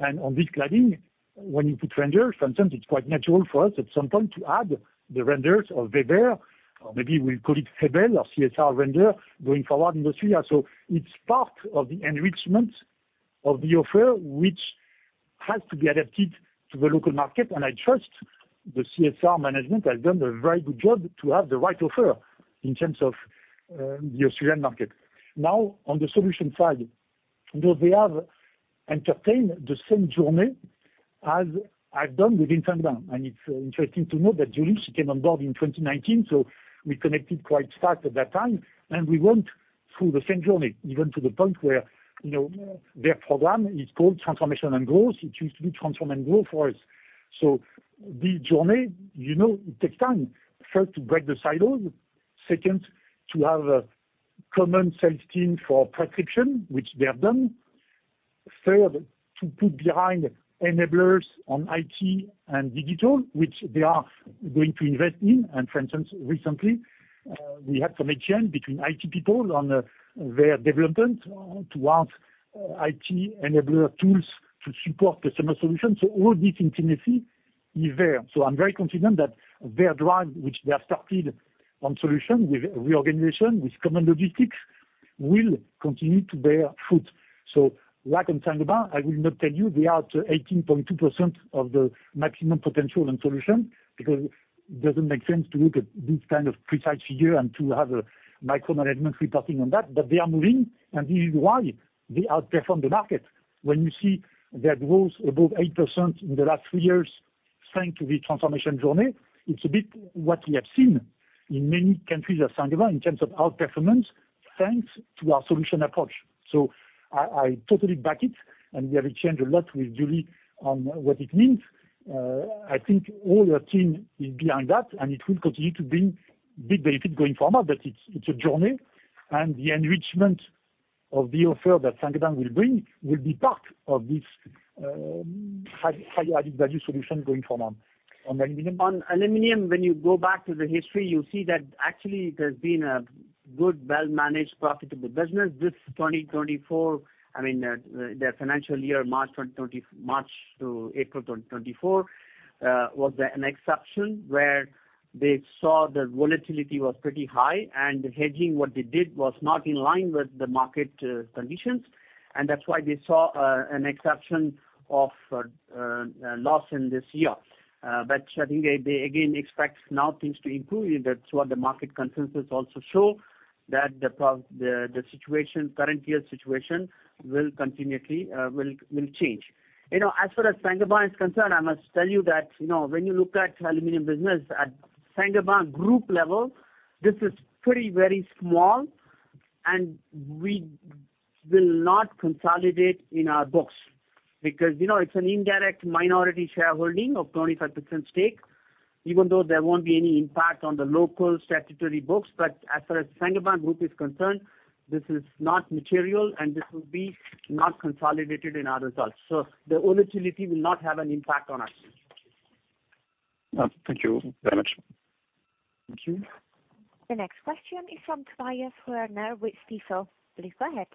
On this cladding, when you put renders, for instance, it's quite natural for us at some point to add the renders of Weber, or maybe we'll call it Hebel or CSR render going forward in Australia. So it's part of the enrichment of the offer, which has to be adapted to the local market, and I trust the CSR management has done a very good job to have the right offer in terms of the Australian market. Now, on the solution side, though they have entertained the same journey as I've done within Saint-Gobain, and it's interesting to note that Julie, she came on board in 2019, so we connected quite fast at that time, and we went through the same journey, even to the point where, you know, their program is called Transformation and Growth. It used to be Transform and Grow for us. So the journey, you know, it takes time. First, to break the silos. Second, to have a common sales team for prescription, which they have done. Third, to put behind enablers on IT and digital, which they are going to invest in. And for instance, recently, we had some exchange between IT people on, their development to have, IT enabler tools to support customer solutions. So all this intimacy is there. So I'm very confident that their drive, which they have started on solution with reorganization, with common logistics, will continue to bear fruit. So like in Saint-Gobain, I will not tell you they are to 18.2% of the maximum potential and solution, because it doesn't make sense to look at this kind of precise figure and to have a micromanagement reporting on that, but they are moving, and this is why they outperform the market. When you see that growth above 8% in the last three years, thanks to the transformation journey, it's a bit what we have seen in many countries of Saint-Gobain in terms of outperformance, thanks to our solution approach. So I totally back it, and we have exchanged a lot with Julie on what it means. I think all her team is behind that, and it will continue to bring big benefit going forward. It's a journey, and the enrichment of the offer that Saint-Gobain will bring will be part of this high added value solution going forward. On aluminum? On aluminum, when you go back to the history, you'll see that actually there's been a good, well-managed, profitable business. This 2024, I mean, their financial year, March 2024 - March to April 2024, was an exception, where they saw the volatility was pretty high and the hedging, what they did was not in line with the market, conditions, and that's why they saw, an exception of, loss in this year. But I think they, they again expect now things to improve. That's what the market consensus also show... that the prob-- the, the situation, current year situation will continually, will, will change. You know, as far as Saint-Gobain is concerned, I must tell you that, you know, when you look at aluminum business at Saint-Gobain group level, this is pretty, very small, and we will not consolidate in our books. Because, you know, it's an indirect minority shareholding of 25% stake, even though there won't be any impact on the local statutory books, but as far as Saint-Gobain group is concerned, this is not material, and this will be not consolidated in our results. So the volatility will not have an impact on our team. Thank you very much. Thank you. The next question is from Tobias Woerner with Stifel. Please go ahead.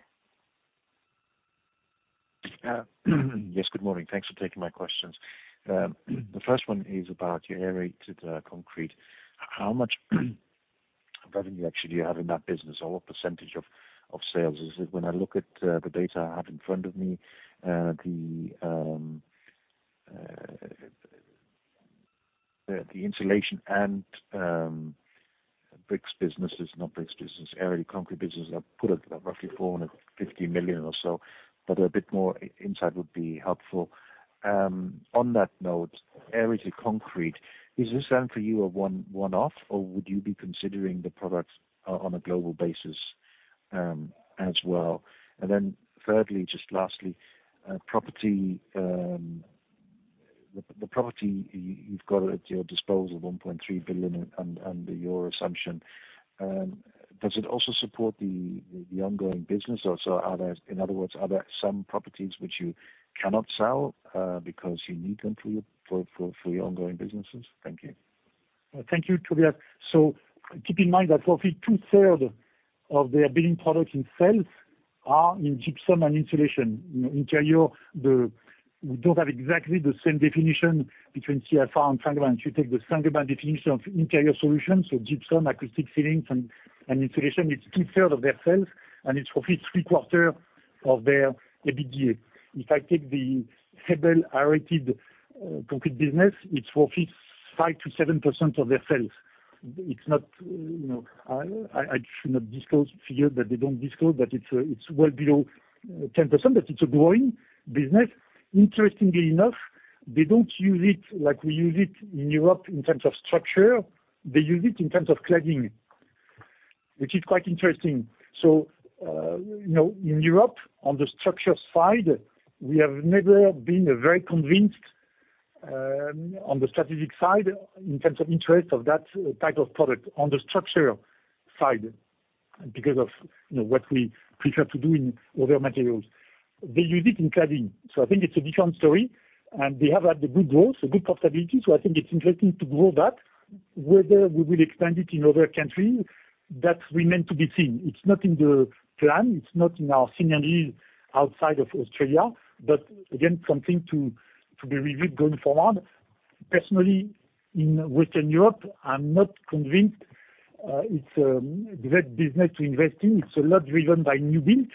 Yes, good morning. Thanks for taking my questions. The first one is about your aerated concrete. How much revenue actually you have in that business or what percentage of sales is it? When I look at the data I have in front of me, the insulation and bricks businesses, not bricks business, aerated concrete business, I put it roughly 450 million or so, but a bit more insight would be helpful. On that note, aerated concrete, is this then for you a one-off, or would you be considering the products on a global basis as well? And then thirdly, just lastly, property, the property you've got at your disposal, 1.3 billion under your assumption, does it also support the ongoing business? Also, are there... In other words, are there some properties which you cannot sell, because you need them for your ongoing businesses? Thank you. Thank you, Tobias. So keep in mind that for CSR, two-thirds of their building products in sales are in gypsum and insulation. In interior, the-- we don't have exactly the same definition between CSR and Saint-Gobain. If you take the Saint-Gobain definition of interior solutions, so gypsum, acoustic ceilings, and insulation, it's two-thirds of their sales, and it's for CSR three-quarters of their EBITDA. If I take the Hebel aerated concrete business, it's for CSR 5%-7% of their sales. It's not, you know, I, I, I should not disclose figure that they don't disclose, but it's well below 10%, but it's a growing business. Interestingly enough, they don't use it like we use it in Europe in terms of structure. They use it in terms of cladding, which is quite interesting. So, you know, in Europe, on the structure side, we have never been very convinced, on the strategic side, in terms of interest of that type of product on the structure side, because of, you know, what we prefer to do in other materials. They use it in cladding, so I think it's a different story, and they have had a good growth, a good profitability, so I think it's interesting to grow that. Whether we will expand it in other countries, that remains to be seen. It's not in the plan, it's not in our synergy outside of Australia, but again, something to be reviewed going forward. Personally, in Western Europe, I'm not convinced, it's a great business to invest in. It's a lot driven by new build,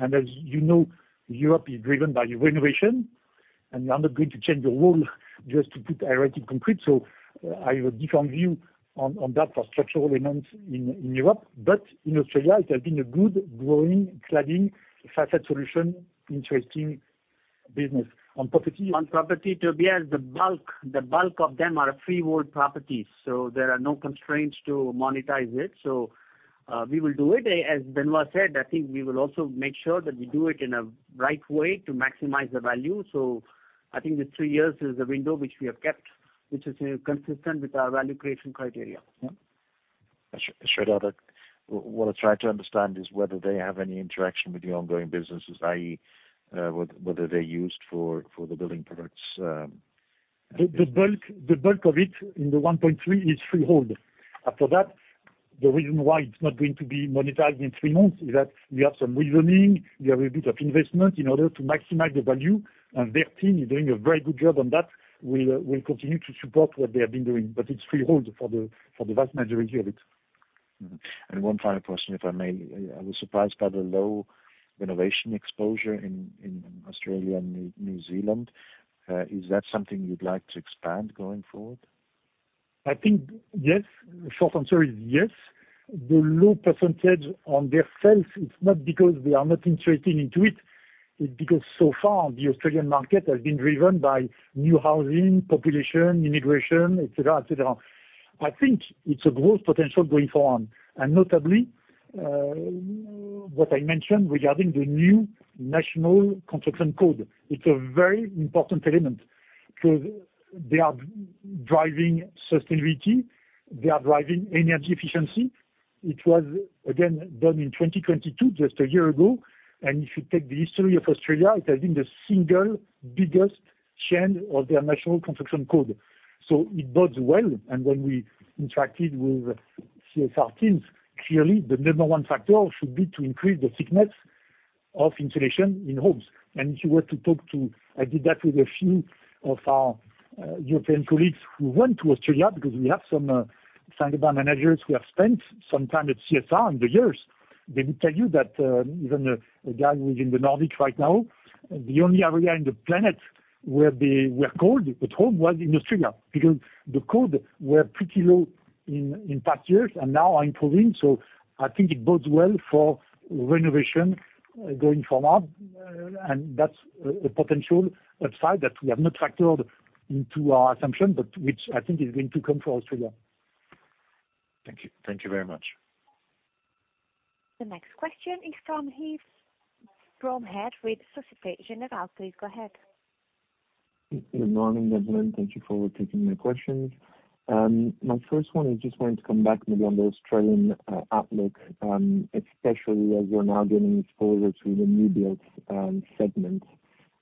and as you know, Europe is driven by renovation, and you are not going to change the world just to put aerated concrete. So, I have a different view on that for structural elements in Europe, but in Australia it has been a good, growing, cladding, facade solution, interesting business. On property- On property, Tobias, the bulk, the bulk of them are freehold properties, so there are no constraints to monetize it. So, we will do it. As Benoit said, I think we will also make sure that we do it in a right way to maximize the value. So I think the three years is the window which we have kept, which is consistent with our value creation criteria. Yeah. I should add that what I try to understand is whether they have any interaction with the ongoing businesses, i.e., whether they're used for the building products. The bulk of it in the 1.3 billion is freehold. After that, the reason why it's not going to be monetized in three months is that we have some reasoning. We have a bit of investment in order to maximize the value, and their team is doing a very good job on that. We will continue to support what they have been doing, but it's freehold for the vast majority of it. Mm-hmm. One final question, if I may. I was surprised by the low renovation exposure in Australia and New Zealand. Is that something you'd like to expand going forward? I think yes. The short answer is yes. The low percentage on their sales, it's not because we are not interested into it, it's because so far the Australian market has been driven by new housing, population, immigration, et cetera, et cetera. I think it's a growth potential going forward, and notably, what I mentioned regarding the new National Construction Code. It's a very important element because they are driving sustainability, they are driving energy efficiency. It was again done in 2022, just a year ago, and if you take the history of Australia, it has been the single biggest change of their National Construction Code. So it bodes well, and when we interacted with CSR teams, clearly the number one factor should be to increase the thickness of insulation in homes. And if you were to talk to... I did that with a few of our European colleagues who went to Australia, because we have some Saint-Gobain managers who have spent some time at CSR in the years. They will tell you that even a guy who is in the Nordic right now, the only area in the planet where the codes at home was in Australia, because the codes were pretty low in past years and now are improving. So I think it bodes well for renovation going forward. And that's a potential upside that we have not factored into our assumption, but which I think is going to come for Australia. Thank you. Thank you very much. The next question is from Yves Bromehead with Societe Generale. Please go ahead. Good morning, everyone. Thank you for taking my questions. My first one, I just wanted to come back maybe on the Australian outlook, especially as we're now getting exposure to the new builds segment.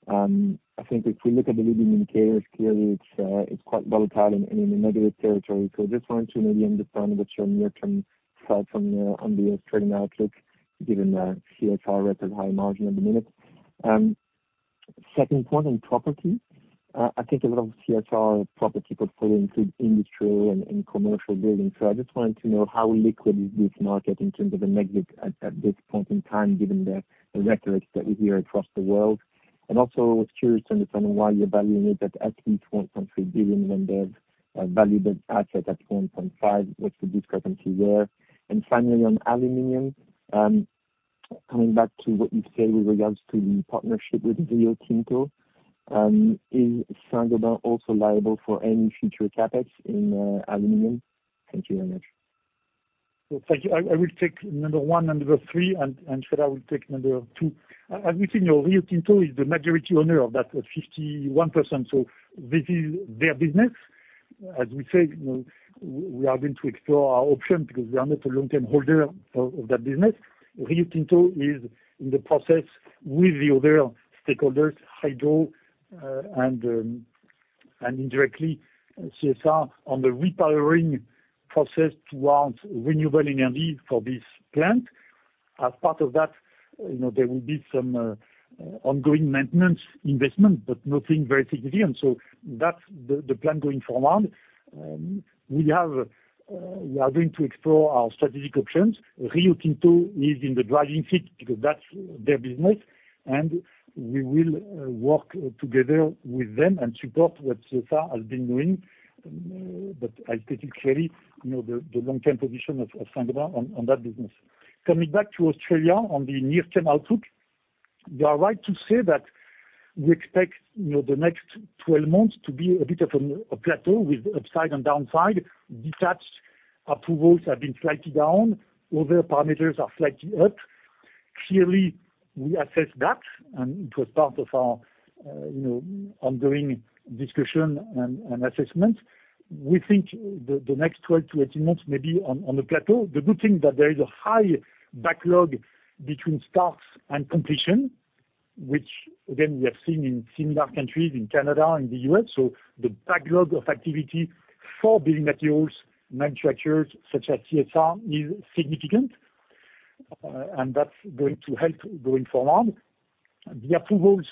I think if we look at the leading indicators, clearly it's quite volatile and in a negative territory. So I just wanted to maybe understand what's your near-term thought from the on the Australian outlook, given the CSR record high margin at the minute. Second point on property. I think a lot of CSR property portfolio include industry and commercial buildings. So I just wanted to know how liquid is this market in terms of the negative at this point in time, given the rhetoric that we hear across the world? And also I was curious to understand why you're valuing it at least 1.3 billion when they've valued the asset at 1.5 billion. What's the discrepancy there? And finally, on aluminum, coming back to what you said with regards to the partnership with Rio Tinto, is Saint-Gobain also liable for any future CapEx in aluminum? Thank you very much. So thank you. I will take number one and number three, and Sreedhar, I will take number two. As we said, you know, Rio Tinto is the majority owner of that at 51%, so this is their business. As we said, you know, we are going to explore our options, because we are not a long-term holder of that business. Rio Tinto is in the process with the other stakeholders, Hydro, and indirectly CSR, on the repowering process towards renewable energy for this plant. As part of that, you know, there will be some ongoing maintenance investment, but nothing very significant. So that's the plan going forward. We have, we are going to explore our strategic options. Rio Tinto is in the driving seat because that's their business, and we will work together with them and support what CSR has been doing. But I stated clearly, you know, the long-term position of Saint-Gobain on that business. Coming back to Australia on the near-term outlook, you are right to say that we expect, you know, the next 12 months to be a bit of a plateau with upside and downside. Detached approvals have been slightly down, other parameters are slightly up. Clearly, we assess that, and it was part of our ongoing discussion and assessment. We think the next 12-18 months may be on the plateau. The good thing that there is a high backlog between starts and completion, which again, we have seen in similar countries, in Canada and the U.S. So the backlog of activity for building materials manufacturers such as CSR is significant, and that's going to help going forward. The approvals,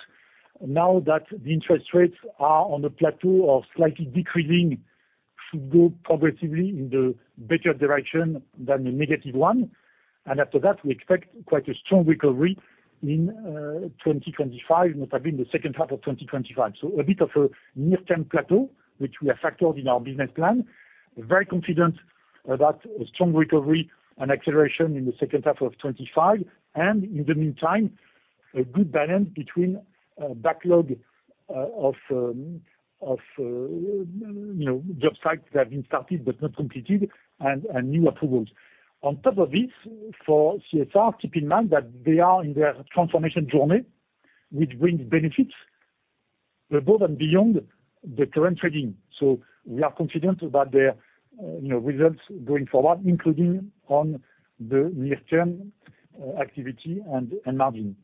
now that the interest rates are on the plateau or slightly decreasing, should go progressively in the better direction than the negative one. And after that, we expect quite a strong recovery in 2025, maybe in the second half of 2025. So a bit of a near-term plateau, which we have factored in our business plan. Very confident about a strong recovery and acceleration in the second half of 2025. And in the meantime, a good balance between backlog of you know, job sites that have been started but not completed and new approvals. On top of this, for CSR, keep in mind that they are in their transformation journey, which brings benefits above and beyond the current trading. So we are confident about their, you know, results going forward, including on the near-term, activity and margin.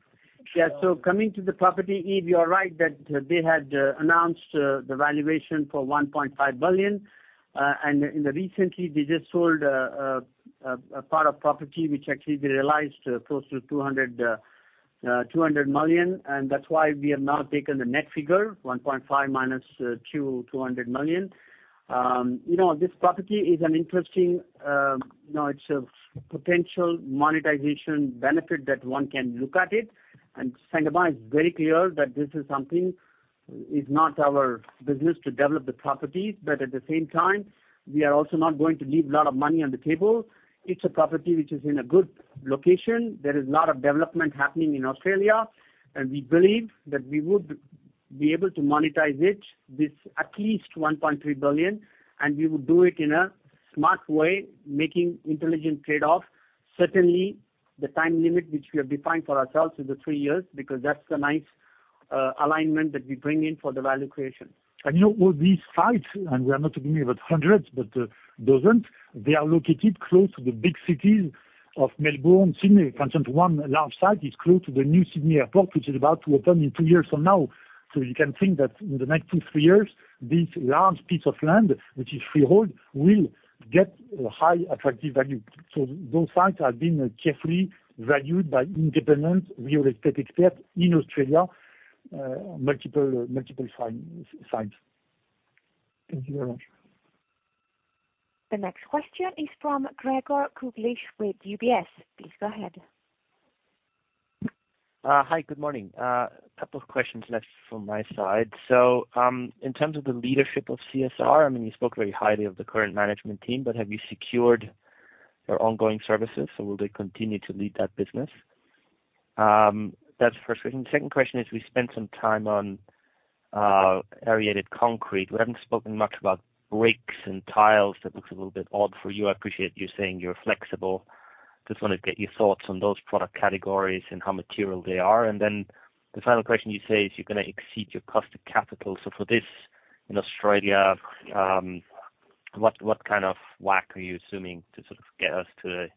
Yeah, so coming to the property, Yves, you are right that they had announced the valuation for 1.5 billion. And in the recently, they just sold a part of property which actually they realized close to 200 million, and that's why we have now taken the net figure, 1.5 billion - 200 million. You know, this property is an interesting, you know, it's a potential monetization benefit that one can look at it. And Saint-Gobain is very clear that this is something, is not our business to develop the property, but at the same time, we are also not going to leave a lot of money on the table. It's a property which is in a good location. There is a lot of development happening in Australia, and we believe that we would be able to monetize it with at least 1.3 billion, and we will do it in a smart way, making intelligent trade-off. Certainly, the time limit which we have defined for ourselves is the three years, because that's the nice alignment that we bring in for the value creation. You know, all these sites, and we are not talking about hundreds, but dozens, they are located close to the big cities of Melbourne, Sydney. In fact, one large site is close to the new Sydney Airport, which is about to open in two years from now. So you can think that in the next two, three years, this large piece of land, which is freehold, will get a high attractive value. So those sites have been carefully valued by independent real estate experts in Australia, multiple sites. Thank you very much. The next question is from Gregor Kuglitsch with UBS. Please go ahead. Hi, good morning. A couple of questions left from my side. So, in terms of the leadership of CSR, I mean, you spoke very highly of the current management team, but have you secured their ongoing services, so will they continue to lead that business? That's the first question. The second question is, we spent some time on aerated concrete. We haven't spoken much about bricks and tiles. That looks a little bit odd for you. I appreciate you saying you're flexible. Just wanna get your thoughts on those product categories and how material they are. And then the final question you say is, you're gonna exceed your cost of capital. So for this, in Australia, what kind of WACC are you assuming to sort of get us to a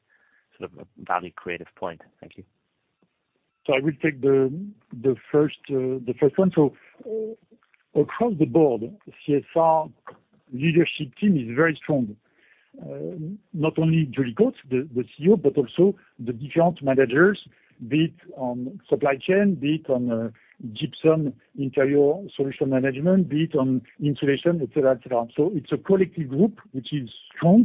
sort of a value creative point? Thank you. So I will take the first one. So, across the board, CSR leadership team is very strong. Not only Julie Coates, the CEO, but also the different managers, be it on supply chain, be it on, gypsum, interior solution management, be it on insulation, et cetera, et cetera. So it's a collective group which is strong.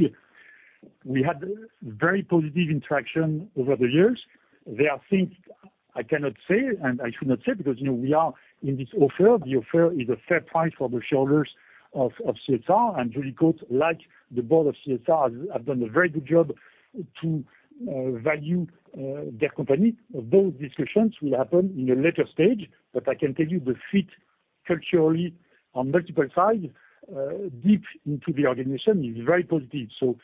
We had very positive interaction over the years. There are things I cannot say, and I should not say because, you know, we are in this offer. The offer is a fair price for the shareholders of, of CSR, and Julie Coates, like the board of CSR, have, have done a very good job to, value, their company. Those discussions will happen in a later stage, but I can tell you the fit culturally on multiple sides, deep into the organization is very positive. So,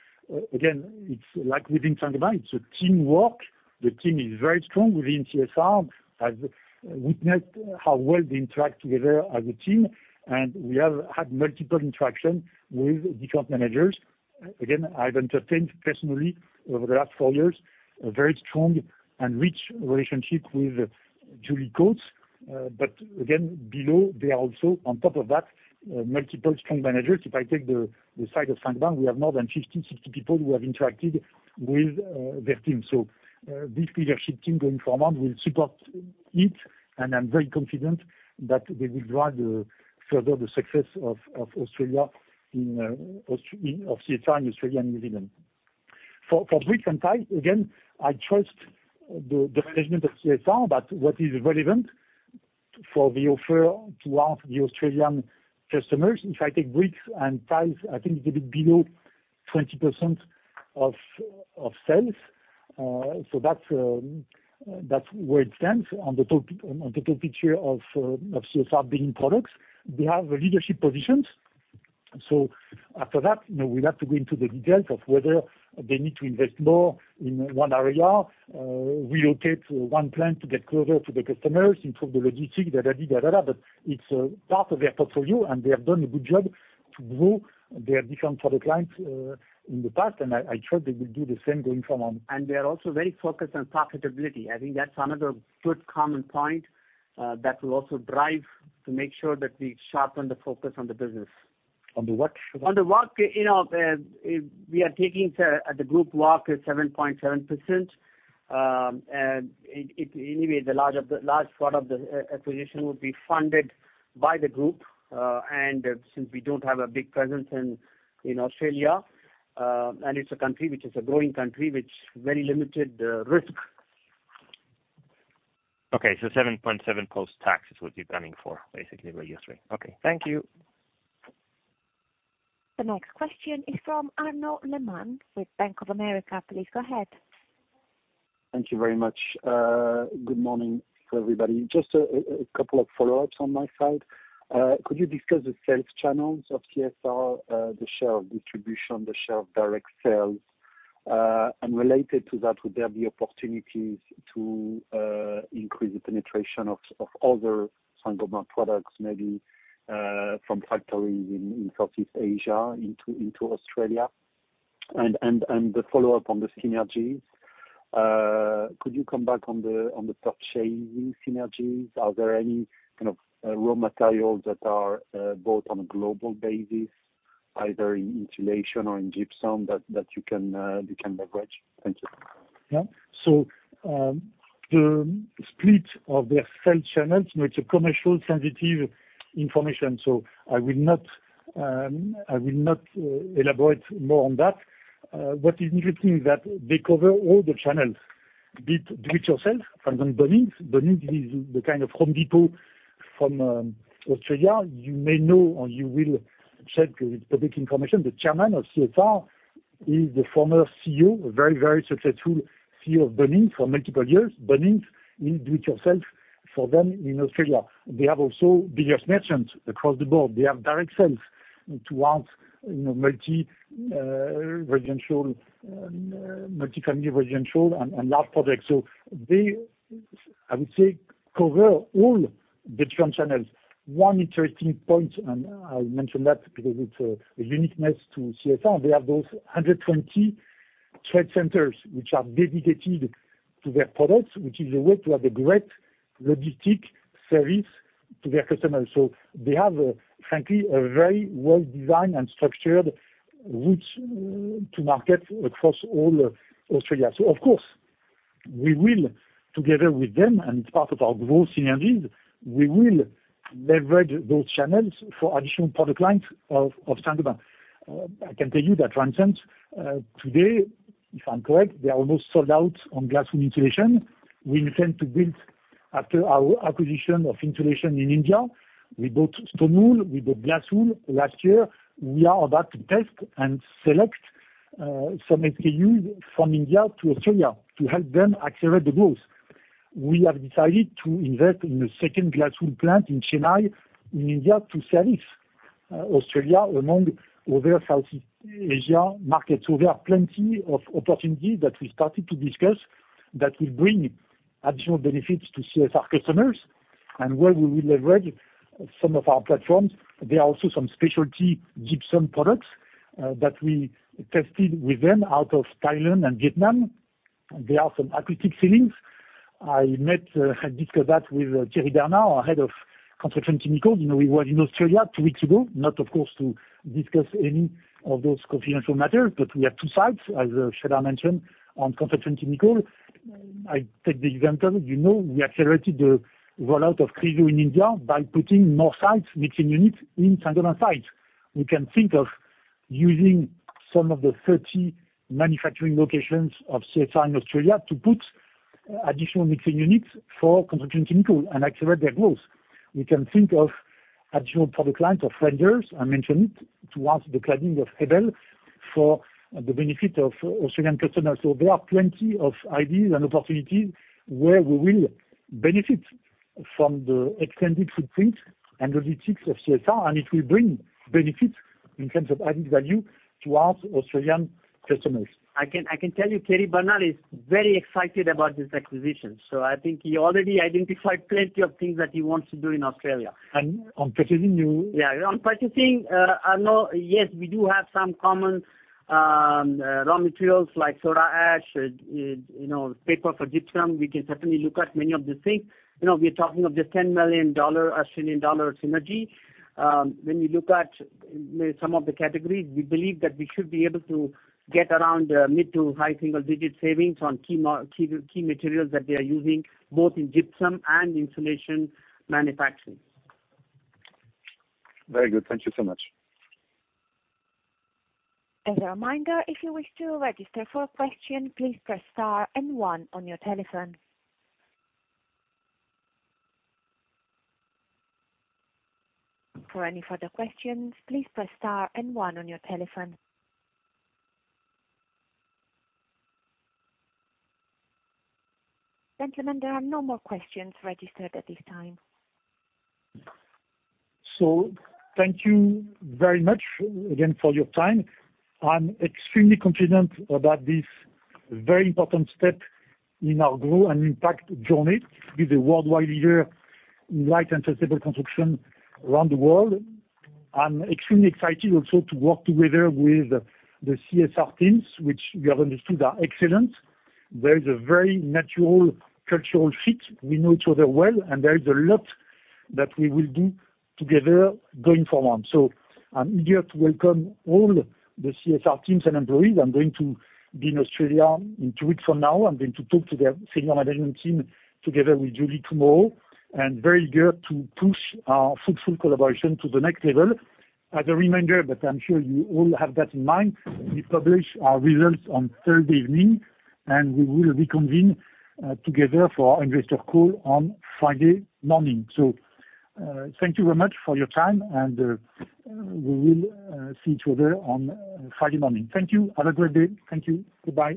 again, it's like within Saint-Gobain, it's a teamwork. The team is very strong within CSR. I've witnessed how well they interact together as a team, and we have had multiple interaction with different managers. Again, I've entertained personally over the last four years, a very strong and rich relationship with Julie Coates. But again, below, they are also on top of that, multiple strong managers. If I take the side of Saint-Gobain, we have more than 50-60 people who have interacted with their team. So, this leadership team going forward will support it, and I'm very confident that they will drive the further the success of CSR in Australia and New Zealand. For bricks and tiles, again, I trust the management of CSR, but what is relevant for the offer to half the Australian customers, if I take bricks and tiles, I think it's a bit below 20% of sales. So that's where it stands on the top picture of CSR building products. They have leadership positions. So after that, you know, we'll have to go into the details of whether they need to invest more in one area, relocate one plant to get closer to the customers, improve the logistics, da, da, di, da, da, da. But it's part of their portfolio, and they have done a good job to grow their different product lines in the past, and I, I'm sure they will do the same going forward. They are also very focused on profitability. I think that's another good common point, that will also drive to make sure that we sharpen the focus on the business. On the what? On the WACC, you know, we are taking at the group WACC, 7.7%. And anyway, the large part of the acquisition will be funded by the group. And since we don't have a big presence in Australia, and it's a country which is a growing country, which very limited risk. Okay, so 7.7% post-tax is what you're planning for, basically, by yesterday. Okay, thank you. The next question is from Arnaud Lehmann with Bank of America. Please go ahead. Thank you very much. Good morning to everybody. Just a couple of follow-ups on my side. Could you discuss the sales channels of CSR, the share of distribution, the share of direct sales? And related to that, would there be opportunities to increase the penetration of other Saint-Gobain products, maybe from factories in Southeast Asia, into Australia? And the follow-up on the synergies, could you come back on the purchasing synergies? Are there any kind of raw materials that are bought on a global basis, either in insulation or in gypsum, that you can leverage? Thank you. Yeah. So, the split of their sales channels, you know, it's commercially sensitive information, so I will not, I will not, elaborate more on that. What is interesting is that they cover all the channels, be it do it yourself, for example, Bunnings. Bunnings is the kind of Home Depot from Australia. You may know or you will check with public information, the chairman of CSR is the former CEO, a very, very successful CEO of Bunnings for multiple years. Bunnings is do it yourself for them in Australia. They have also biggest merchants across the board. They have direct sales towards, you know, multi residential, multifamily residential and, and large projects. So they, I would say, cover all the different channels. One interesting point, and I'll mention that because it's a uniqueness to CSR. They have those 120 trade centers, which are dedicated to their products, which is a way to have a great logistic service to their customers. So they have, frankly, a very well-designed and structured routes to market across all Australia. So of course, we will, together with them, and it's part of our growth synergies, we will leverage those channels for additional product lines of Saint-Gobain. I can tell you that CSR, today, if I'm correct, they are almost sold out on glass wool insulation. We intend to build after our acquisition of insulation in India. We built stone wool, we built glass wool last year. We are about to test and select some SKU from India to Australia to help them accelerate the growth. We have decided to invest in the second glass wool plant in Chennai, in India, to service Australia among other Southeast Asia markets. So there are plenty of opportunities that we started to discuss that will bring additional benefits to CSR customers, and where we will leverage some of our platforms. There are also some specialty gypsum products that we tested with them out of Thailand and Vietnam. There are some acoustic ceilings. I met I discussed that with Thierry Bernard, our head of Construction Chemicals. You know, we were in Australia two weeks ago, not of course, to discuss any of those confidential matters, but we have two sites, as Sreedhar mentioned, on Construction Chemicals. I take the example, you know, we accelerated the rollout of Chryso in India by putting more sites, mixing units in Saint-Gobain sites. We can think of using some of the 30 manufacturing locations of CSR in Australia to put additional mixing units for construction chemicals and accelerate their growth. We can think of additional product lines of renders, I mentioned it, towards the cladding of Hebel for the benefit of Australian customers. So there are plenty of ideas and opportunities where we will benefit from the extended footprint and logistics of CSR, and it will bring benefits in terms of added value to our Australian customers. I can tell you, Thierry Bernard is very excited about this acquisition, so I think he already identified plenty of things that he wants to do in Australia. On purchasing new? Yeah, on purchasing, I know, yes, we do have some common raw materials like soda ash, you know, paper for gypsum. We can certainly look at many of the things. You know, we are talking of just 10 million Australian dollar synergy. When you look at some of the categories, we believe that we should be able to get around mid- to high-single-digit savings on key materials that we are using, both in gypsum and insulation manufacturing. Very good. Thank you so much. As a reminder, if you wish to register for a question, please press star and one on your telephone. For any further questions, please press star and one on your telephone. Gentlemen, there are no more questions registered at this time. Thank you very much again for your time. I'm extremely confident about this very important step in our Grow and Impact journey with a worldwide leader in light and sustainable construction around the world. I'm extremely excited also to work together with the CSR teams, which we have understood are excellent. There is a very natural cultural fit. We know each other well, and there is a lot that we will do together going forward. I'm here to welcome all the CSR teams and employees. I'm going to be in Australia in two weeks from now. I'm going to talk to their senior management team together with Julie tomorrow, and very eager to push our fruitful collaboration to the next level. As a reminder, but I'm sure you all have that in mind, we publish our results on Thursday evening, and we will reconvene together for our investor call on Friday morning. So, thank you very much for your time, and we will see each other on Friday morning. Thank you. Have a great day. Thank you. Goodbye.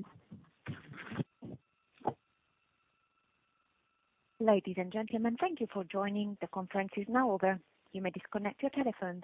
Ladies and gentlemen, thank you for joining. The conference is now over. You may disconnect your telephones.